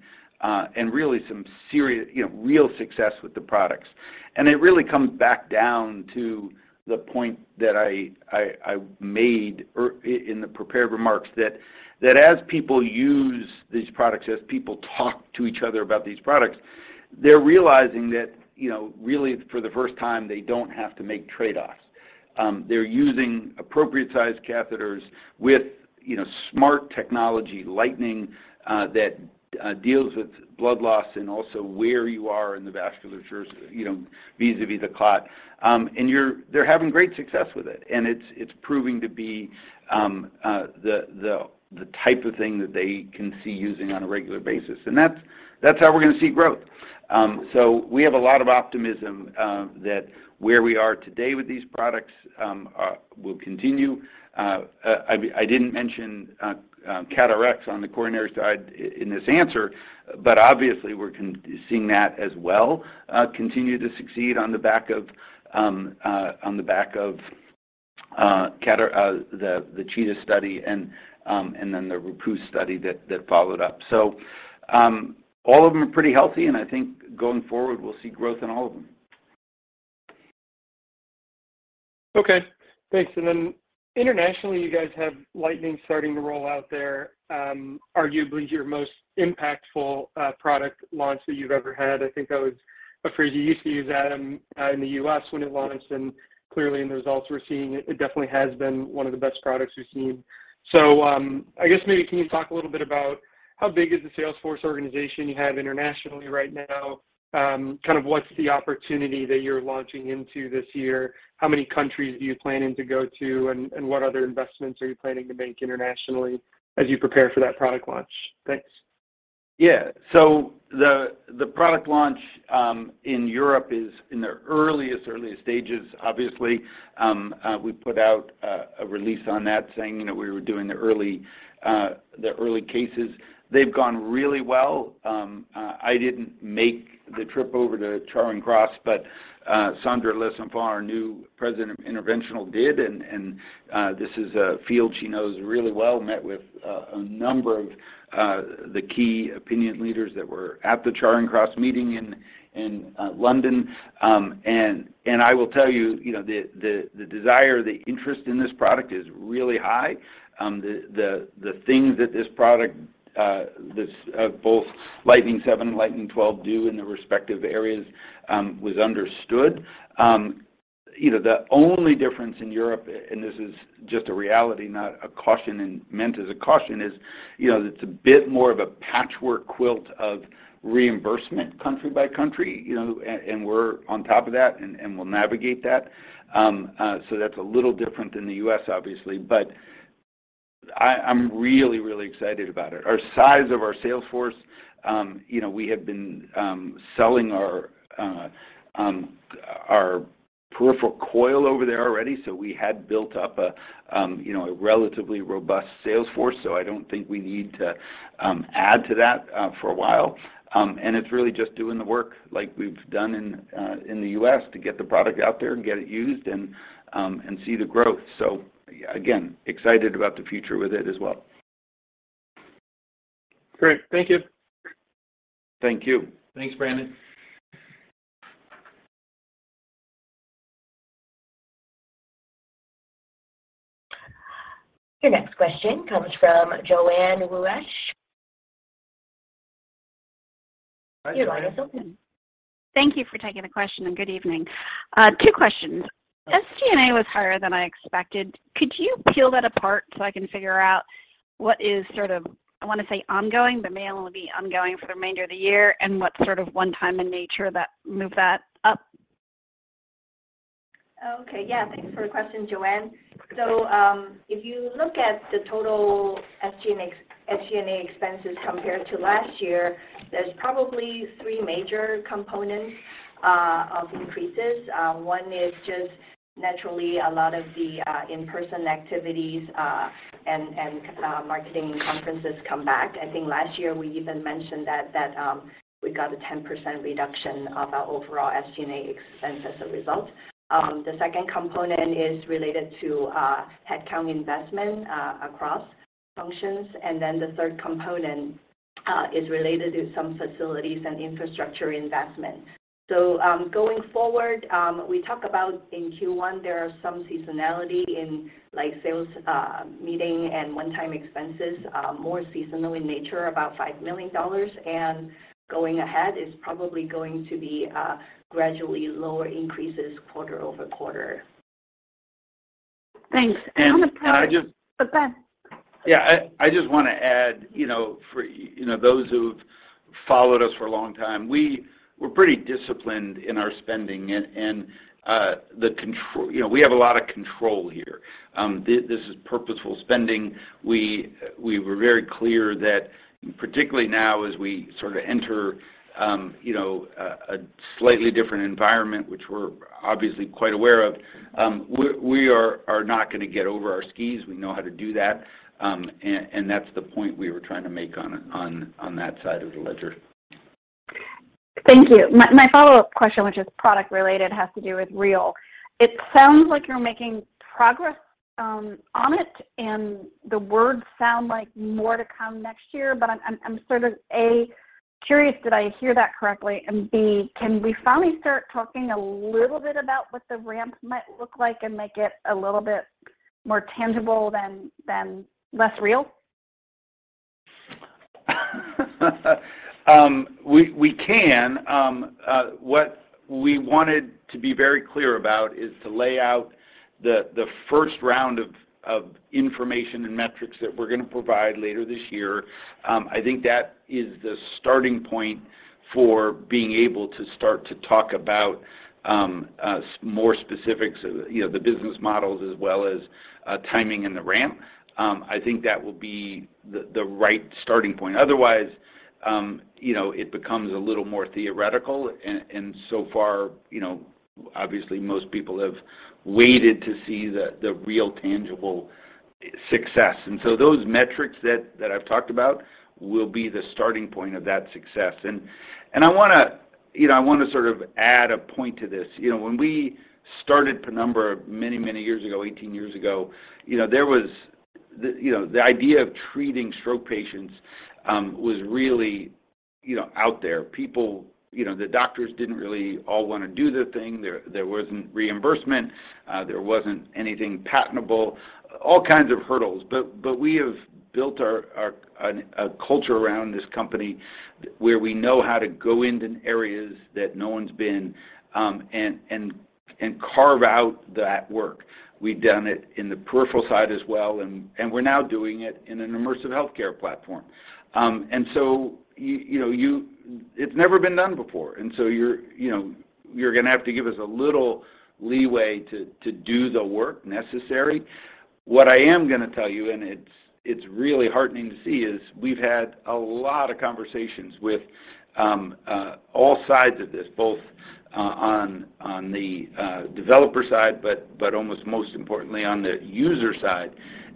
[SPEAKER 3] really some serious, you know, real success with the products. It really comes back down to the point that I made earlier in the prepared remarks that as people use these products, as people talk to each other about these products, they're realizing that, you know, really for the first time, they don't have to make trade-offs. They're using appropriate-sized catheters with, you know, smart technology, Lightning, that deals with blood loss and also where you are in the vasculature, you know, vis-à-vis the clot. They're having great success with it. It's proving to be the type of thing that they can see using on a regular basis. That's how we're gonna see growth. We have a lot of optimism that where we are today with these products will continue. I didn't mention CAT RX on the coronary side in this answer, but obviously we're continuing to see that as well continue to succeed on the back of the CHEETAH study and then the ROPUST study that followed up. All of them are pretty healthy, and I think going forward, we'll see growth in all of them.
[SPEAKER 8] Okay. Thanks. Then internationally, you guys have Lightning starting to roll out there, arguably your most impactful product launch that you've ever had. I think that was a phrase you used to use, Adam, in the U.S. when it launched, and clearly in the results we're seeing, it definitely has been one of the best products we've seen. I guess maybe can you talk a little bit about how big is the sales force organization you have internationally right now? Kind of what's the opportunity that you're launching into this year? How many countries are you planning to go to, and what other investments are you planning to make internationally as you prepare for that product launch? Thanks.
[SPEAKER 3] Yeah. The product launch in Europe is in the earliest stages, obviously. We put out a release on that saying, you know, we were doing the early cases. They've gone really well. I didn't make the trip over to Charing Cross, but Sandra Lesenfants, our new President of Interventional, did. This is a field she knows really well, met with a number of the key opinion leaders that were at the Charing Cross meeting in London. I will tell you know, the desire, the interest in this product is really high. The things that this product, both Lightning 7 and Lightning 12 do in their respective areas, was understood. You know, the only difference in Europe, and this is just a reality, not meant as a caution, is, you know, it's a bit more of a patchwork quilt of reimbursement country by country, you know. We're on top of that, and we'll navigate that. That's a little different than the U.S. obviously, but I'm really, really excited about it. The size of our sales force, you know, we have been selling our peripheral coil over there already, so we had built up a relatively robust sales force. I don't think we need to add to that for a while. It's really just doing the work like we've done in the U.S. to get the product out there and get it used and see the growth. Again, excited about the future with it as well.
[SPEAKER 8] Great. Thank you.
[SPEAKER 3] Thank you. Thanks, Brendan.
[SPEAKER 1] Your next question comes from Joanne Wuensch.
[SPEAKER 3] Hi, Joanne.
[SPEAKER 1] Your line is open.
[SPEAKER 9] Thank you for taking the question, and good evening. Two questions. SG&A was higher than I expected. Could you peel that apart so I can figure out what is sort of, I wanna say ongoing, but may only be ongoing for the remainder of the year, and what's sort of one time in nature that moved that up?
[SPEAKER 4] Okay. Yeah. Thanks for the question, Joanne. If you look at the total SG&A expenses compared to last year, there's probably three major components of increases. One is just naturally a lot of the in-person activities and marketing conferences come back. I think last year we even mentioned that that we got a 10% reduction of our overall SG&A expense as a result. The second component is related to headcount investment across functions. The third component is related to some facilities and infrastructure investment. Going forward, we talk about in Q1, there are some seasonality in like sales meeting and one-time expenses, more seasonal in nature, about $5 million. Going ahead is probably going to be gradually lower increases quarter-over-quarter.
[SPEAKER 9] Thanks. On the product.
[SPEAKER 3] I just.
[SPEAKER 9] Go ahead.
[SPEAKER 3] Yeah. I just wanna add, you know, for, you know, those who've followed us for a long time, we were pretty disciplined in our spending and the control. You know, we have a lot of control here. This is purposeful spending. We were very clear that particularly now as we sort of enter, you know, a slightly different environment, which we're obviously quite aware of, we are not gonna get over our skis. We know how to do that. And that's the point we were trying to make on that side of the ledger.
[SPEAKER 9] Thank you. My follow-up question, which is product related, has to do with Real. It sounds like you're making progress on it, and the words sound like more to come next year. I'm sort of A, curious, did I hear that correctly? And B, can we finally start talking a little bit about what the ramp might look like and make it a little bit more tangible than less real?
[SPEAKER 3] We can. What we wanted to be very clear about is to lay out the first round of information and metrics that we're gonna provide later this year. I think that is the starting point for being able to start to talk about a more specifics of, you know, the business models as well as timing and the ramp. I think that will be the right starting point. Otherwise, you know, it becomes a little more theoretical and so far, you know, obviously most people have waited to see the real tangible success. Those metrics that I've talked about will be the starting point of that success. I wanna, you know, sort of add a point to this. You know, when we started Penumbra many, many years ago, 18 years ago, you know, there was, you know, the idea of treating stroke patients was really, you know, out there. People. You know, the doctors didn't really all wanna do the thing. There wasn't reimbursement. There wasn't anything patentable. All kinds of hurdles, but we have built our a culture around this company where we know how to go into areas that no one's been and carve out that work. We've done it in the peripheral side as well, and we're now doing it in an immersive healthcare platform. You know, you. It's never been done before, and so you're, you know, you're gonna have to give us a little leeway to do the work necessary. What I am gonna tell you, and it's really heartening to see, is we've had a lot of conversations with all sides of this, both on the developer side, but almost most importantly on the user side.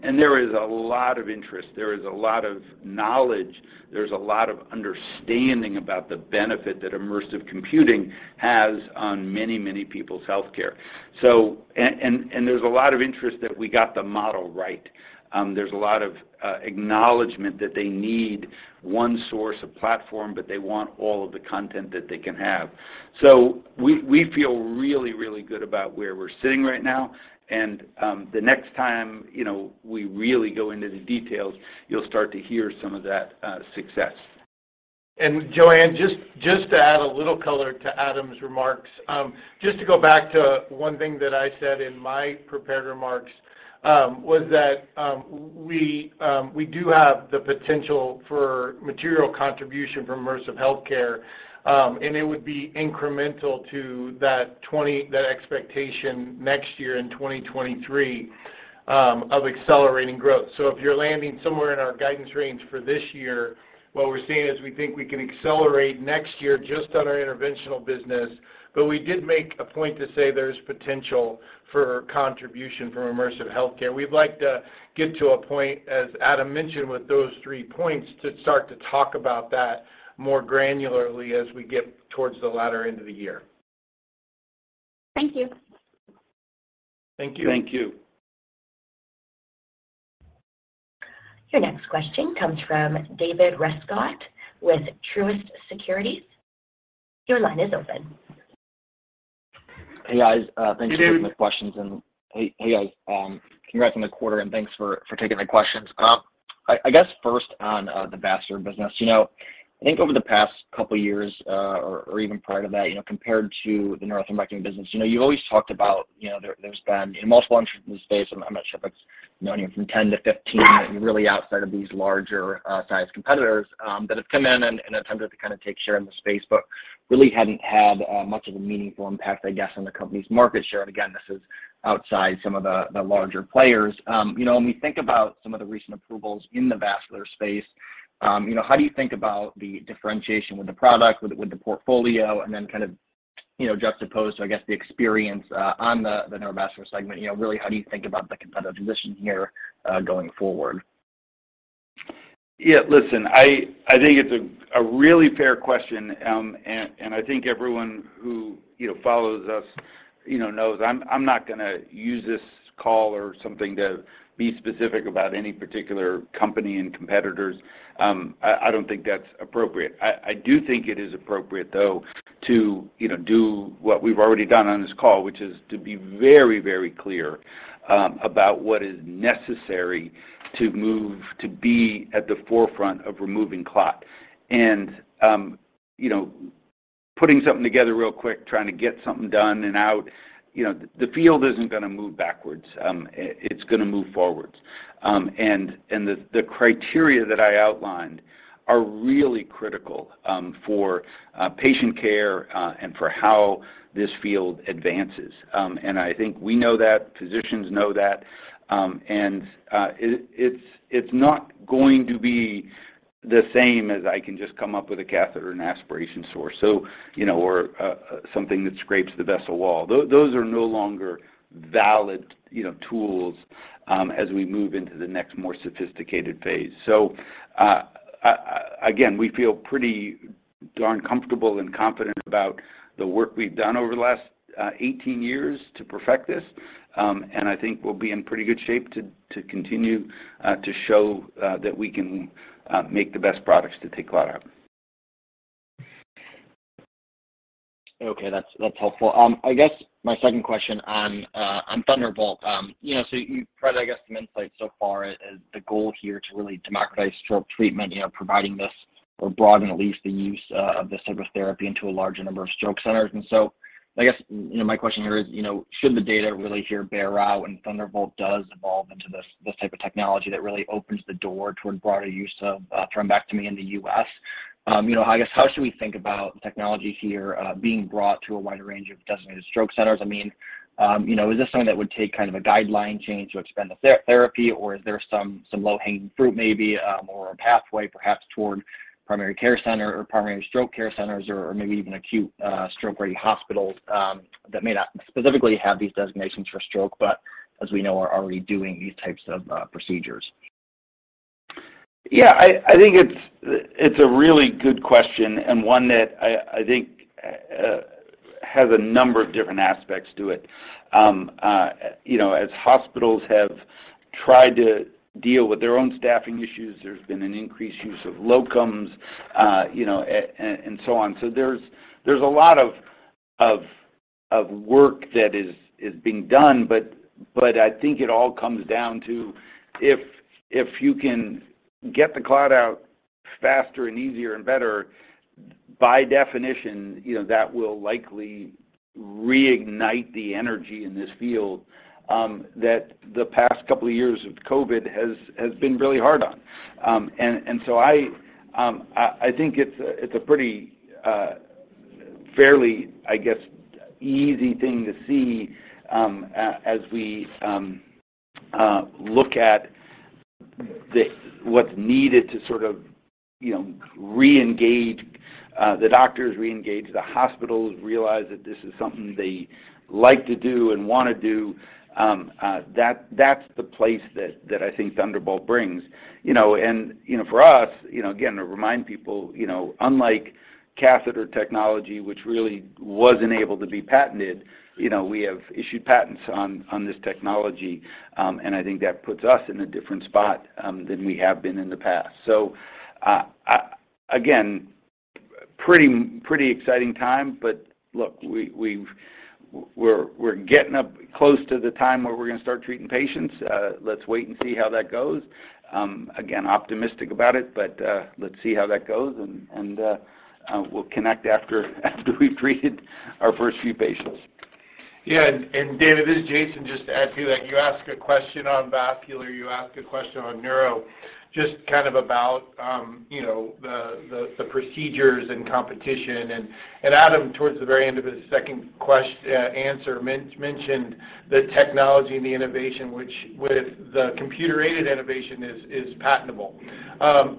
[SPEAKER 3] There is a lot of interest. There is a lot of knowledge. There's a lot of understanding about the benefit that immersive computing has on many people's healthcare. There's a lot of interest that we got the model right. There's a lot of acknowledgement that they need one source of platform, but they want all of the content that they can have. We feel really good about where we're sitting right now and the next time, you know, we really go into the details, you'll start to hear some of that success.
[SPEAKER 5] Joanne, just to add a little color to Adam's remarks. Just to go back to one thing that I said in my prepared remarks, was that we do have the potential for material contribution from immersive healthcare, and it would be incremental to that 20, that expectation next year in 2023, of accelerating growth. If you're landing somewhere in our guidance range for this year, what we're seeing is we think we can accelerate next year just on our interventional business, but we did make a point to say there's potential for contribution from immersive healthcare. We'd like to get to a point, as Adam mentioned with those three points, to start to talk about that more granularly as we get towards the latter end of the year.
[SPEAKER 9] Thank you.
[SPEAKER 5] Thank you.
[SPEAKER 3] Thank you.
[SPEAKER 1] Your next question comes from David Rescott with Truist Securities. Your line is open.
[SPEAKER 10] Hey, guys. Thanks for taking my questions.
[SPEAKER 3] Hey, David.
[SPEAKER 10] Hey, guys, congrats on the quarter, and thanks for taking my questions. I guess first on the vascular business. You know, I think over the past couple years, or even prior to that, you know, compared to the neurothrombectomy business, you know, you've always talked about, you know, there's been multiple entrants in the space, and I'm not sure if it's, you know, anywhere from 10-15.
[SPEAKER 9] Yeah
[SPEAKER 10] Really outside of these larger size competitors that have come in and attempted to kind of take share in the space but really hadn't had much of a meaningful impact, I guess, on the company's market share. Again, this is outside some of the larger players. You know, when we think about some of the recent approvals in the vascular space, you know, how do you think about the differentiation with the product with the portfolio and then kind of you know juxtaposed to, I guess, the experience on the neurovascular segment? You know, really how do you think about the competitive position here going forward?
[SPEAKER 3] Yeah, listen, I think it's a really fair question. I think everyone who, you know, follows us, you know, knows I'm not gonna use this call or something to be specific about any particular company and competitors. I don't think that's appropriate. I do think it is appropriate though to, you know, do what we've already done on this call, which is to be very, very clear about what is necessary to move to be at the forefront of removing clot. Putting something together real quick, trying to get something done and out, you know, the field isn't gonna move backwards. It's gonna move forwards. The criteria that I outlined are really critical for patient care and for how this field advances. I think we know that. Physicians know that. It's not going to be the same as I can just come up with a catheter and aspiration source. You know, or something that scrapes the vessel wall. Those are no longer valid, you know, tools as we move into the next more sophisticated phase. Again, we feel pretty darn comfortable and confident about the work we've done over the last 18 years to perfect this. I think we'll be in pretty good shape to continue to show that we can make the best products to take the clot out.
[SPEAKER 10] Okay. That's helpful. I guess my second question on Thunderbolt. You know, so you've provided, I guess, some insight so far as the goal here to really democratize stroke treatment, you know, providing this or broaden at least the use of this type of therapy into a larger number of stroke centers. I guess, you know, my question here is, you know, should the data really here bear out when Thunderbolt does evolve into this type of technology that really opens the door toward broader use of thrombectomy in the U.S.? You know, I guess, how should we think about technology here being brought to a wider range of designated stroke centers? I mean, you know, is this something that would take kind of a guideline change to expand the therapy, or is there some low-hanging fruit maybe, or a pathway perhaps toward primary care center or primary stroke care centers or maybe even acute stroke-ready hospitals, that may not specifically have these designations for stroke, but as we know are already doing these types of procedures?
[SPEAKER 3] Yeah. I think it's a really good question and one that I think has a number of different aspects to it. You know, as hospitals have tried to deal with their own staffing issues, there's been an increased use of locums, you know, and so on. There's a lot of work that is being done, but I think it all comes down to if you can get the clot out faster and easier and better, by definition, you know, that will likely reignite the energy in this field that the past couple of years of COVID has been really hard on. I think it's a pretty fairly, I guess, easy thing to see as we look at the. What's needed to sort of, you know, reengage the doctors, reengage the hospitals, realize that this is something they like to do and wanna do. That's the place that I think Thunderbolt brings. You know, for us, you know, again, to remind people, you know, unlike catheter technology, which really wasn't able to be patented, you know, we have issued patents on this technology. I think that puts us in a different spot than we have been in the past. Again, pretty exciting time, but look, we're getting up close to the time where we're gonna start treating patients. Let's wait and see how that goes. Again, optimistic about it, but let's see how that goes and we'll connect after we've treated our first few patients.
[SPEAKER 5] Yeah. David, this is Jason. Just to add to that, you ask a question on vascular, you ask a question on neuro, just kind of about, you know, the procedures and competition. Adam, towards the very end of his second answer, mentioned the technology and the innovation which with the computer-aided innovation is patentable.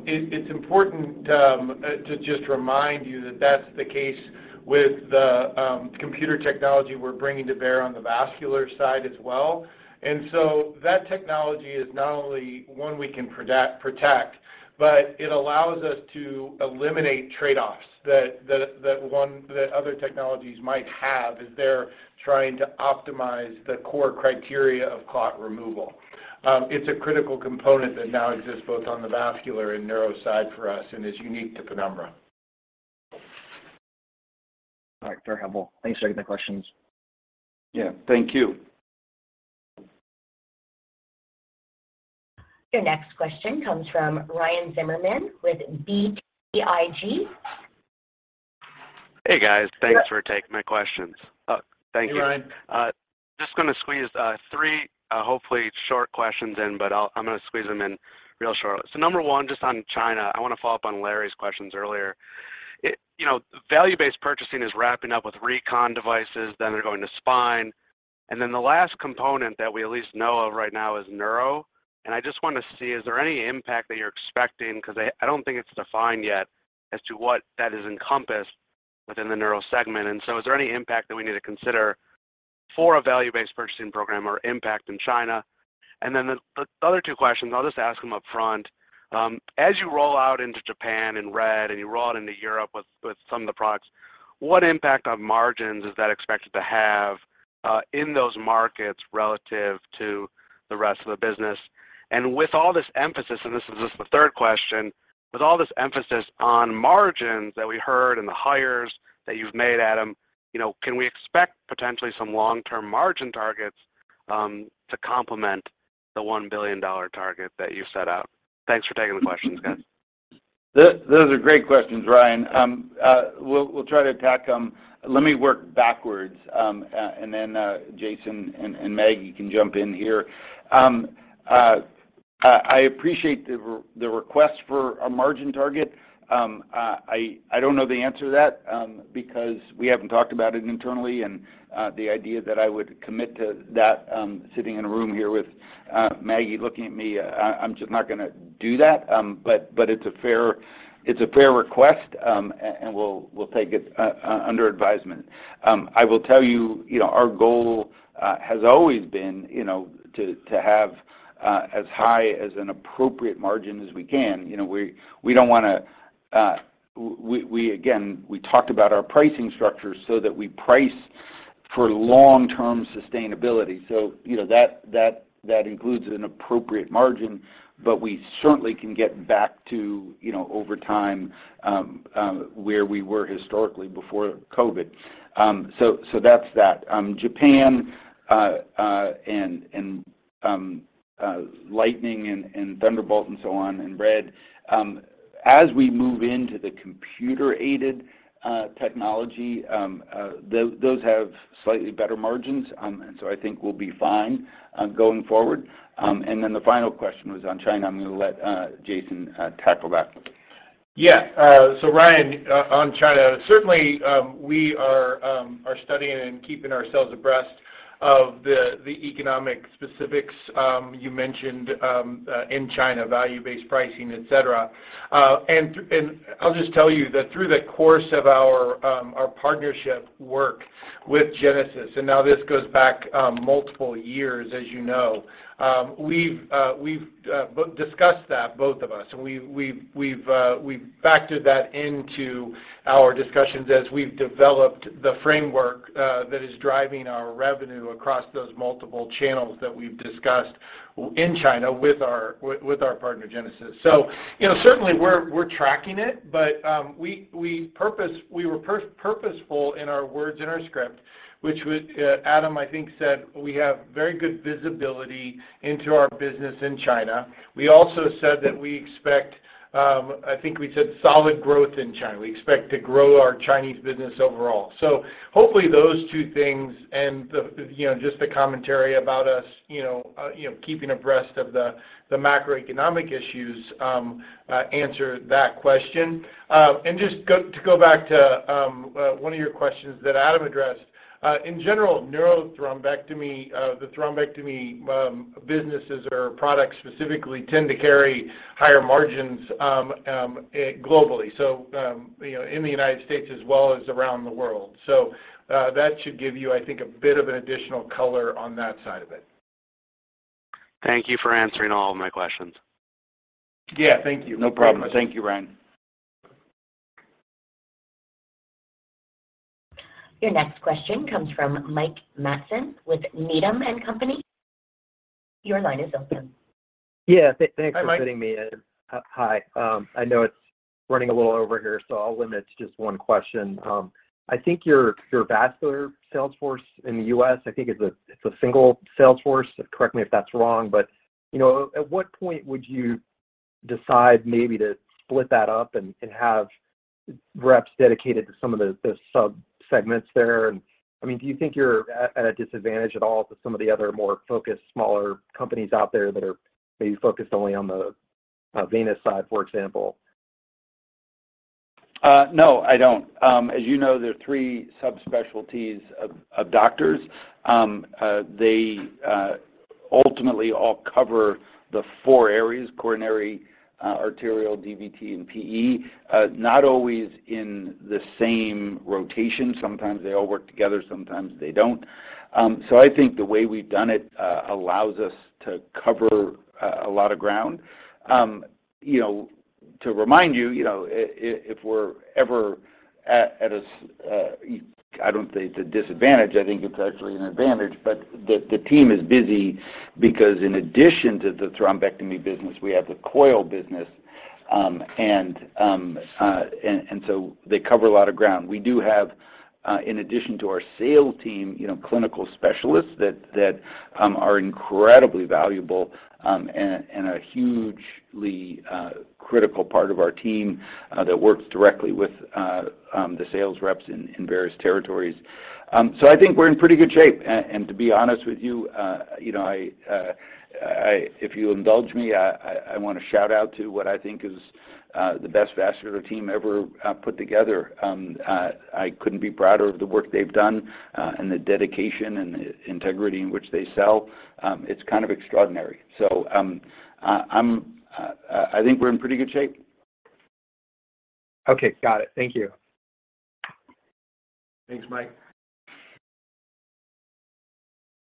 [SPEAKER 5] It's important to just remind you that that's the case with the computer technology we're bringing to bear on the vascular side as well. That technology is not only one we can protect, but it allows us to eliminate trade-offs that other technologies might have as they're trying to optimize the core criteria of clot removal. It's a critical component that now exists both on the vascular and neuro side for us and is unique to Penumbra.
[SPEAKER 10] All right. Very helpful. Thanks for taking the questions.
[SPEAKER 3] Yeah. Thank you.
[SPEAKER 1] Your next question comes from Ryan Zimmerman with BTIG.
[SPEAKER 11] Hey, guys.
[SPEAKER 3] Yeah.
[SPEAKER 11] Thanks for taking my questions. Oh, thank you.
[SPEAKER 3] Hey, Ryan.
[SPEAKER 11] Just gonna squeeze 3 hopefully short questions in, but I'm gonna squeeze them in real short. Number 1, just on China. I wanna follow up on Larry's questions earlier. You know, value-based purchasing is wrapping up with recon devices, then they're going to spine. Then the last component that we at least know of right now is neuro. I just wanna see, is there any impact that you're expecting? 'Cause I don't think it's defined yet as to what that has encompassed within the neuro segment. Is there any impact that we need to consider for a value-based purchasing program or impact in China? Then the other 2 questions, I'll just ask them upfront. As you roll out into Japan in RED and you roll out into Europe with some of the products, what impact on margins is that expected to have in those markets relative to the rest of the business? With all this emphasis, and this is just the third question, with all this emphasis on margins that we heard and the hires that you've made, Adam, you know, can we expect potentially some long-term margin targets to complement the $1 billion target that you set out? Thanks for taking the questions, guys.
[SPEAKER 3] Those are great questions, Ryan. We'll try to attack them. Let me work backwards. Jason and Maggie can jump in here. I appreciate the request for a margin target. I don't know the answer to that because we haven't talked about it internally, and the idea that I would commit to that. Sitting in a room here with Maggie looking at me, I'm just not gonna do that. It's a fair request, and we'll take it under advisement. I will tell you know, our goal has always been, you know, to have as high as an appropriate margin as we can. You know, we don't wanna We, again, talked about our pricing structure so that we price for long-term sustainability. You know, that includes an appropriate margin, but we certainly can get back to, you know, over time, where we were historically before COVID. That's that. Japan, and Lightning and Thunderbolt and so on, and RED, as we move into the computer-aided technology, those have slightly better margins, and so I think we'll be fine going forward. The final question was on China. I'm gonna let Jason tackle that.
[SPEAKER 5] Yeah. Ryan, on China, certainly, we are studying and keeping ourselves abreast of the economic specifics you mentioned in China, value-based pricing, et cetera. I'll just tell you that through the course of our partnership work with Genesis, and now this goes back multiple years, as you know, we've discussed that, both of us, and we've factored that into our discussions as we've developed the framework that is driving our revenue across those multiple channels that we've discussed in China with our partner, Genesis. You know, certainly we're tracking it, but we purpose. We were purposeful in our words in our script, which, Adam, I think said we have very good visibility into our business in China. We also said that we expect, I think we said solid growth in China. We expect to grow our Chinese business overall. Hopefully those two things and the, you know, just the commentary about us, you know, keeping abreast of the macroeconomic issues answer that question. To go back to one of your questions that Adam addressed, in general, neurothrombectomy, the thrombectomy businesses or products specifically tend to carry higher margins globally, you know, in the United States as well as around the world. that should give you, I think, a bit of an additional color on that side of it.
[SPEAKER 11] Thank you for answering all of my questions.
[SPEAKER 5] Yeah. Thank you.
[SPEAKER 3] No problem. Thank you, Ryan.
[SPEAKER 1] Your next question comes from Mike Matson with Needham & Company. Your line is open.
[SPEAKER 12] Yeah. Thanks for letting me in.
[SPEAKER 5] Hi, Mike.
[SPEAKER 12] Hi. I know it's running a little over here, so I'll limit to just one question. I think your vascular sales force in the US, I think it's a single sales force, correct me if that's wrong, but you know, at what point would you decide maybe to split that up and have reps dedicated to some of the sub-segments there? I mean, do you think you're at a disadvantage at all to some of the other more focused, smaller companies out there that are maybe focused only on the venous side, for example?
[SPEAKER 3] No, I don't. As you know, there are three subspecialties of doctors. They ultimately all cover the four areas, coronary, arterial, DVT, and PE, not always in the same rotation. Sometimes they all work together, sometimes they don't. I think the way we've done it allows us to cover a lot of ground. You know, to remind you know, I don't say it's a disadvantage, I think it's actually an advantage, but the team is busy because in addition to the thrombectomy business, we have the coil business. They cover a lot of ground. We do have, in addition to our sales team, you know, clinical specialists that are incredibly valuable, and are hugely critical part of our team, that works directly with the sales reps in various territories. I think we're in pretty good shape and to be honest with you know, I if you indulge me, I want to shout out to what I think is the best vascular team ever put together. I couldn't be prouder of the work they've done, and the dedication and integrity in which they sell. It's kind of extraordinary. I think we're in pretty good shape.
[SPEAKER 12] Okay. Got it. Thank you.
[SPEAKER 5] Thanks, Mike.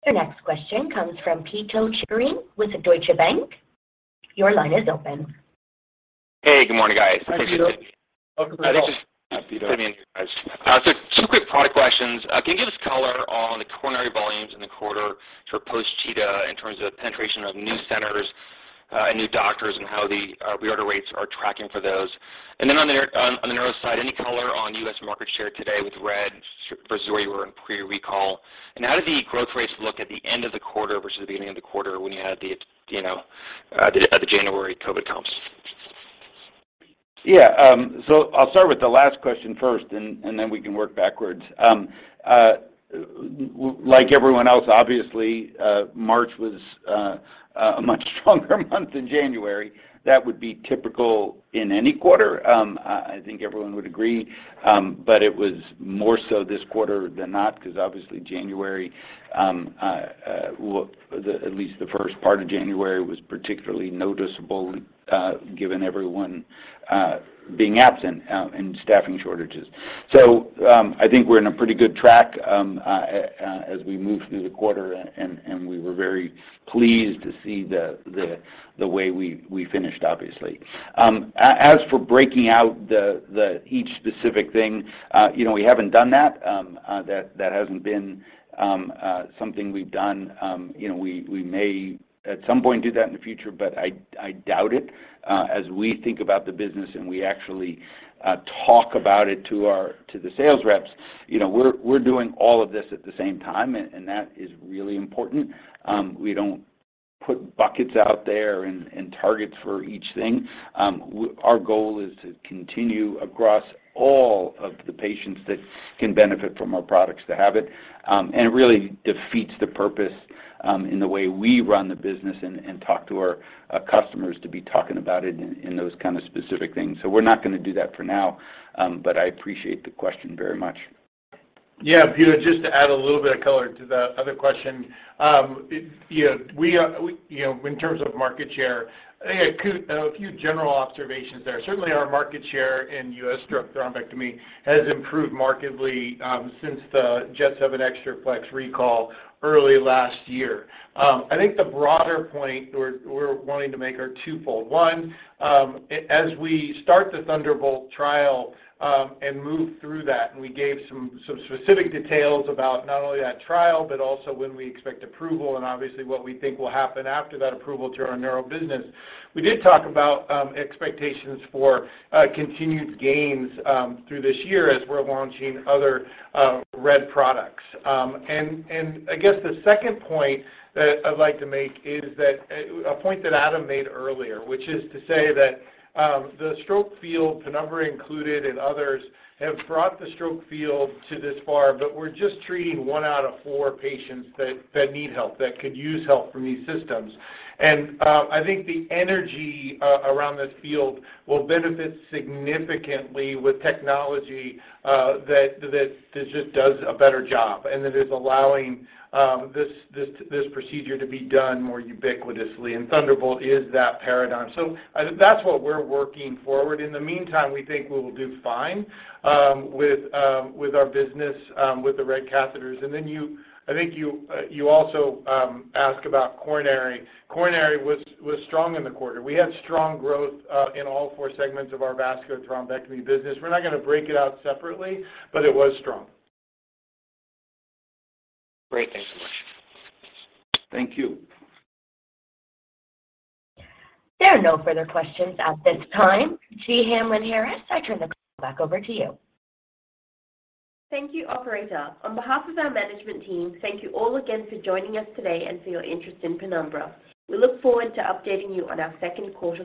[SPEAKER 1] Your next question comes from Pito Chickering with Deutsche Bank. Your line is open.
[SPEAKER 13] Hey, good morning, guys.
[SPEAKER 5] Hi, Pito. Welcome to results.
[SPEAKER 3] Hi, Pito.
[SPEAKER 13] Just let me in, you guys. Two quick product questions. Can you give us color on the coronary volumes in the quarter sort of post CHEETAH in terms of penetration of new centers, and new doctors and how the reorder rates are tracking for those? And then on the neuro side, any color on U.S. market share today with RED versus where you were in pre-recall? And how did the growth rates look at the end of the quarter versus the beginning of the quarter when you had the January COVID comps?
[SPEAKER 3] Yeah, I'll start with the last question first and then we can work backwards. Like everyone else, obviously, March was a much stronger month than January. That would be typical in any quarter. I think everyone would agree, but it was more so this quarter than not because obviously January, well, at least the first part of January was particularly noticeable, given everyone being absent and staffing shortages. I think we're on a pretty good track as we move through the quarter and we were very pleased to see the way we finished, obviously. As for breaking out the each specific thing, you know, we haven't done that. That hasn't been something we've done. You know, we may at some point do that in the future, but I doubt it. As we think about the business and we actually talk about it to the sales reps, you know, we're doing all of this at the same time, and that is really important. We don't put buckets out there and targets for each thing. Our goal is to continue across all of the patients that can benefit from our products to have it. It really defeats the purpose in the way we run the business and talk to our customers to be talking about it in those kind of specific things. We're not gonna do that for now, but I appreciate the question very much.
[SPEAKER 5] Yeah. Peter, just to add a little bit of color to the other question. You know, in terms of market share, I think a few general observations there. Certainly our market share in U.S. thrombectomy has improved markedly since the JET 7 Xtra Flex recall early last year. I think the broader point we're wanting to make are twofold. One, as we start the Thunderbolt trial and move through that, and we gave some specific details about not only that trial, but also when we expect approval and obviously what we think will happen after that approval to our neuro business. We did talk about expectations for continued gains through this year as we're launching other RED products. I guess the second point that I'd like to make is that a point that Adam made earlier, which is to say that the stroke field, Penumbra included and others, have brought the stroke field to this far, but we're just treating one out of four patients that need help that could use help from these systems. I think the energy around this field will benefit significantly with technology that just does a better job and that is allowing this procedure to be done more ubiquitously. Thunderbolt is that paradigm. That's what we're working forward. In the meantime, we think we will do fine with our business with the RED catheters. Then I think you also asked about coronary. Coronary was strong in the quarter. We had strong growth in all four segments of our vascular thrombectomy business. We're not gonna break it out separately, but it was strong.
[SPEAKER 13] Great. Thanks so much.
[SPEAKER 3] Thank you.
[SPEAKER 1] There are no further questions at this time. Jee Hamlyn-Harris, I turn the call back over to you.
[SPEAKER 2] Thank you, operator. On behalf of our management team, thank you all again for joining us today and for your interest in Penumbra. We look forward to updating you on our second call.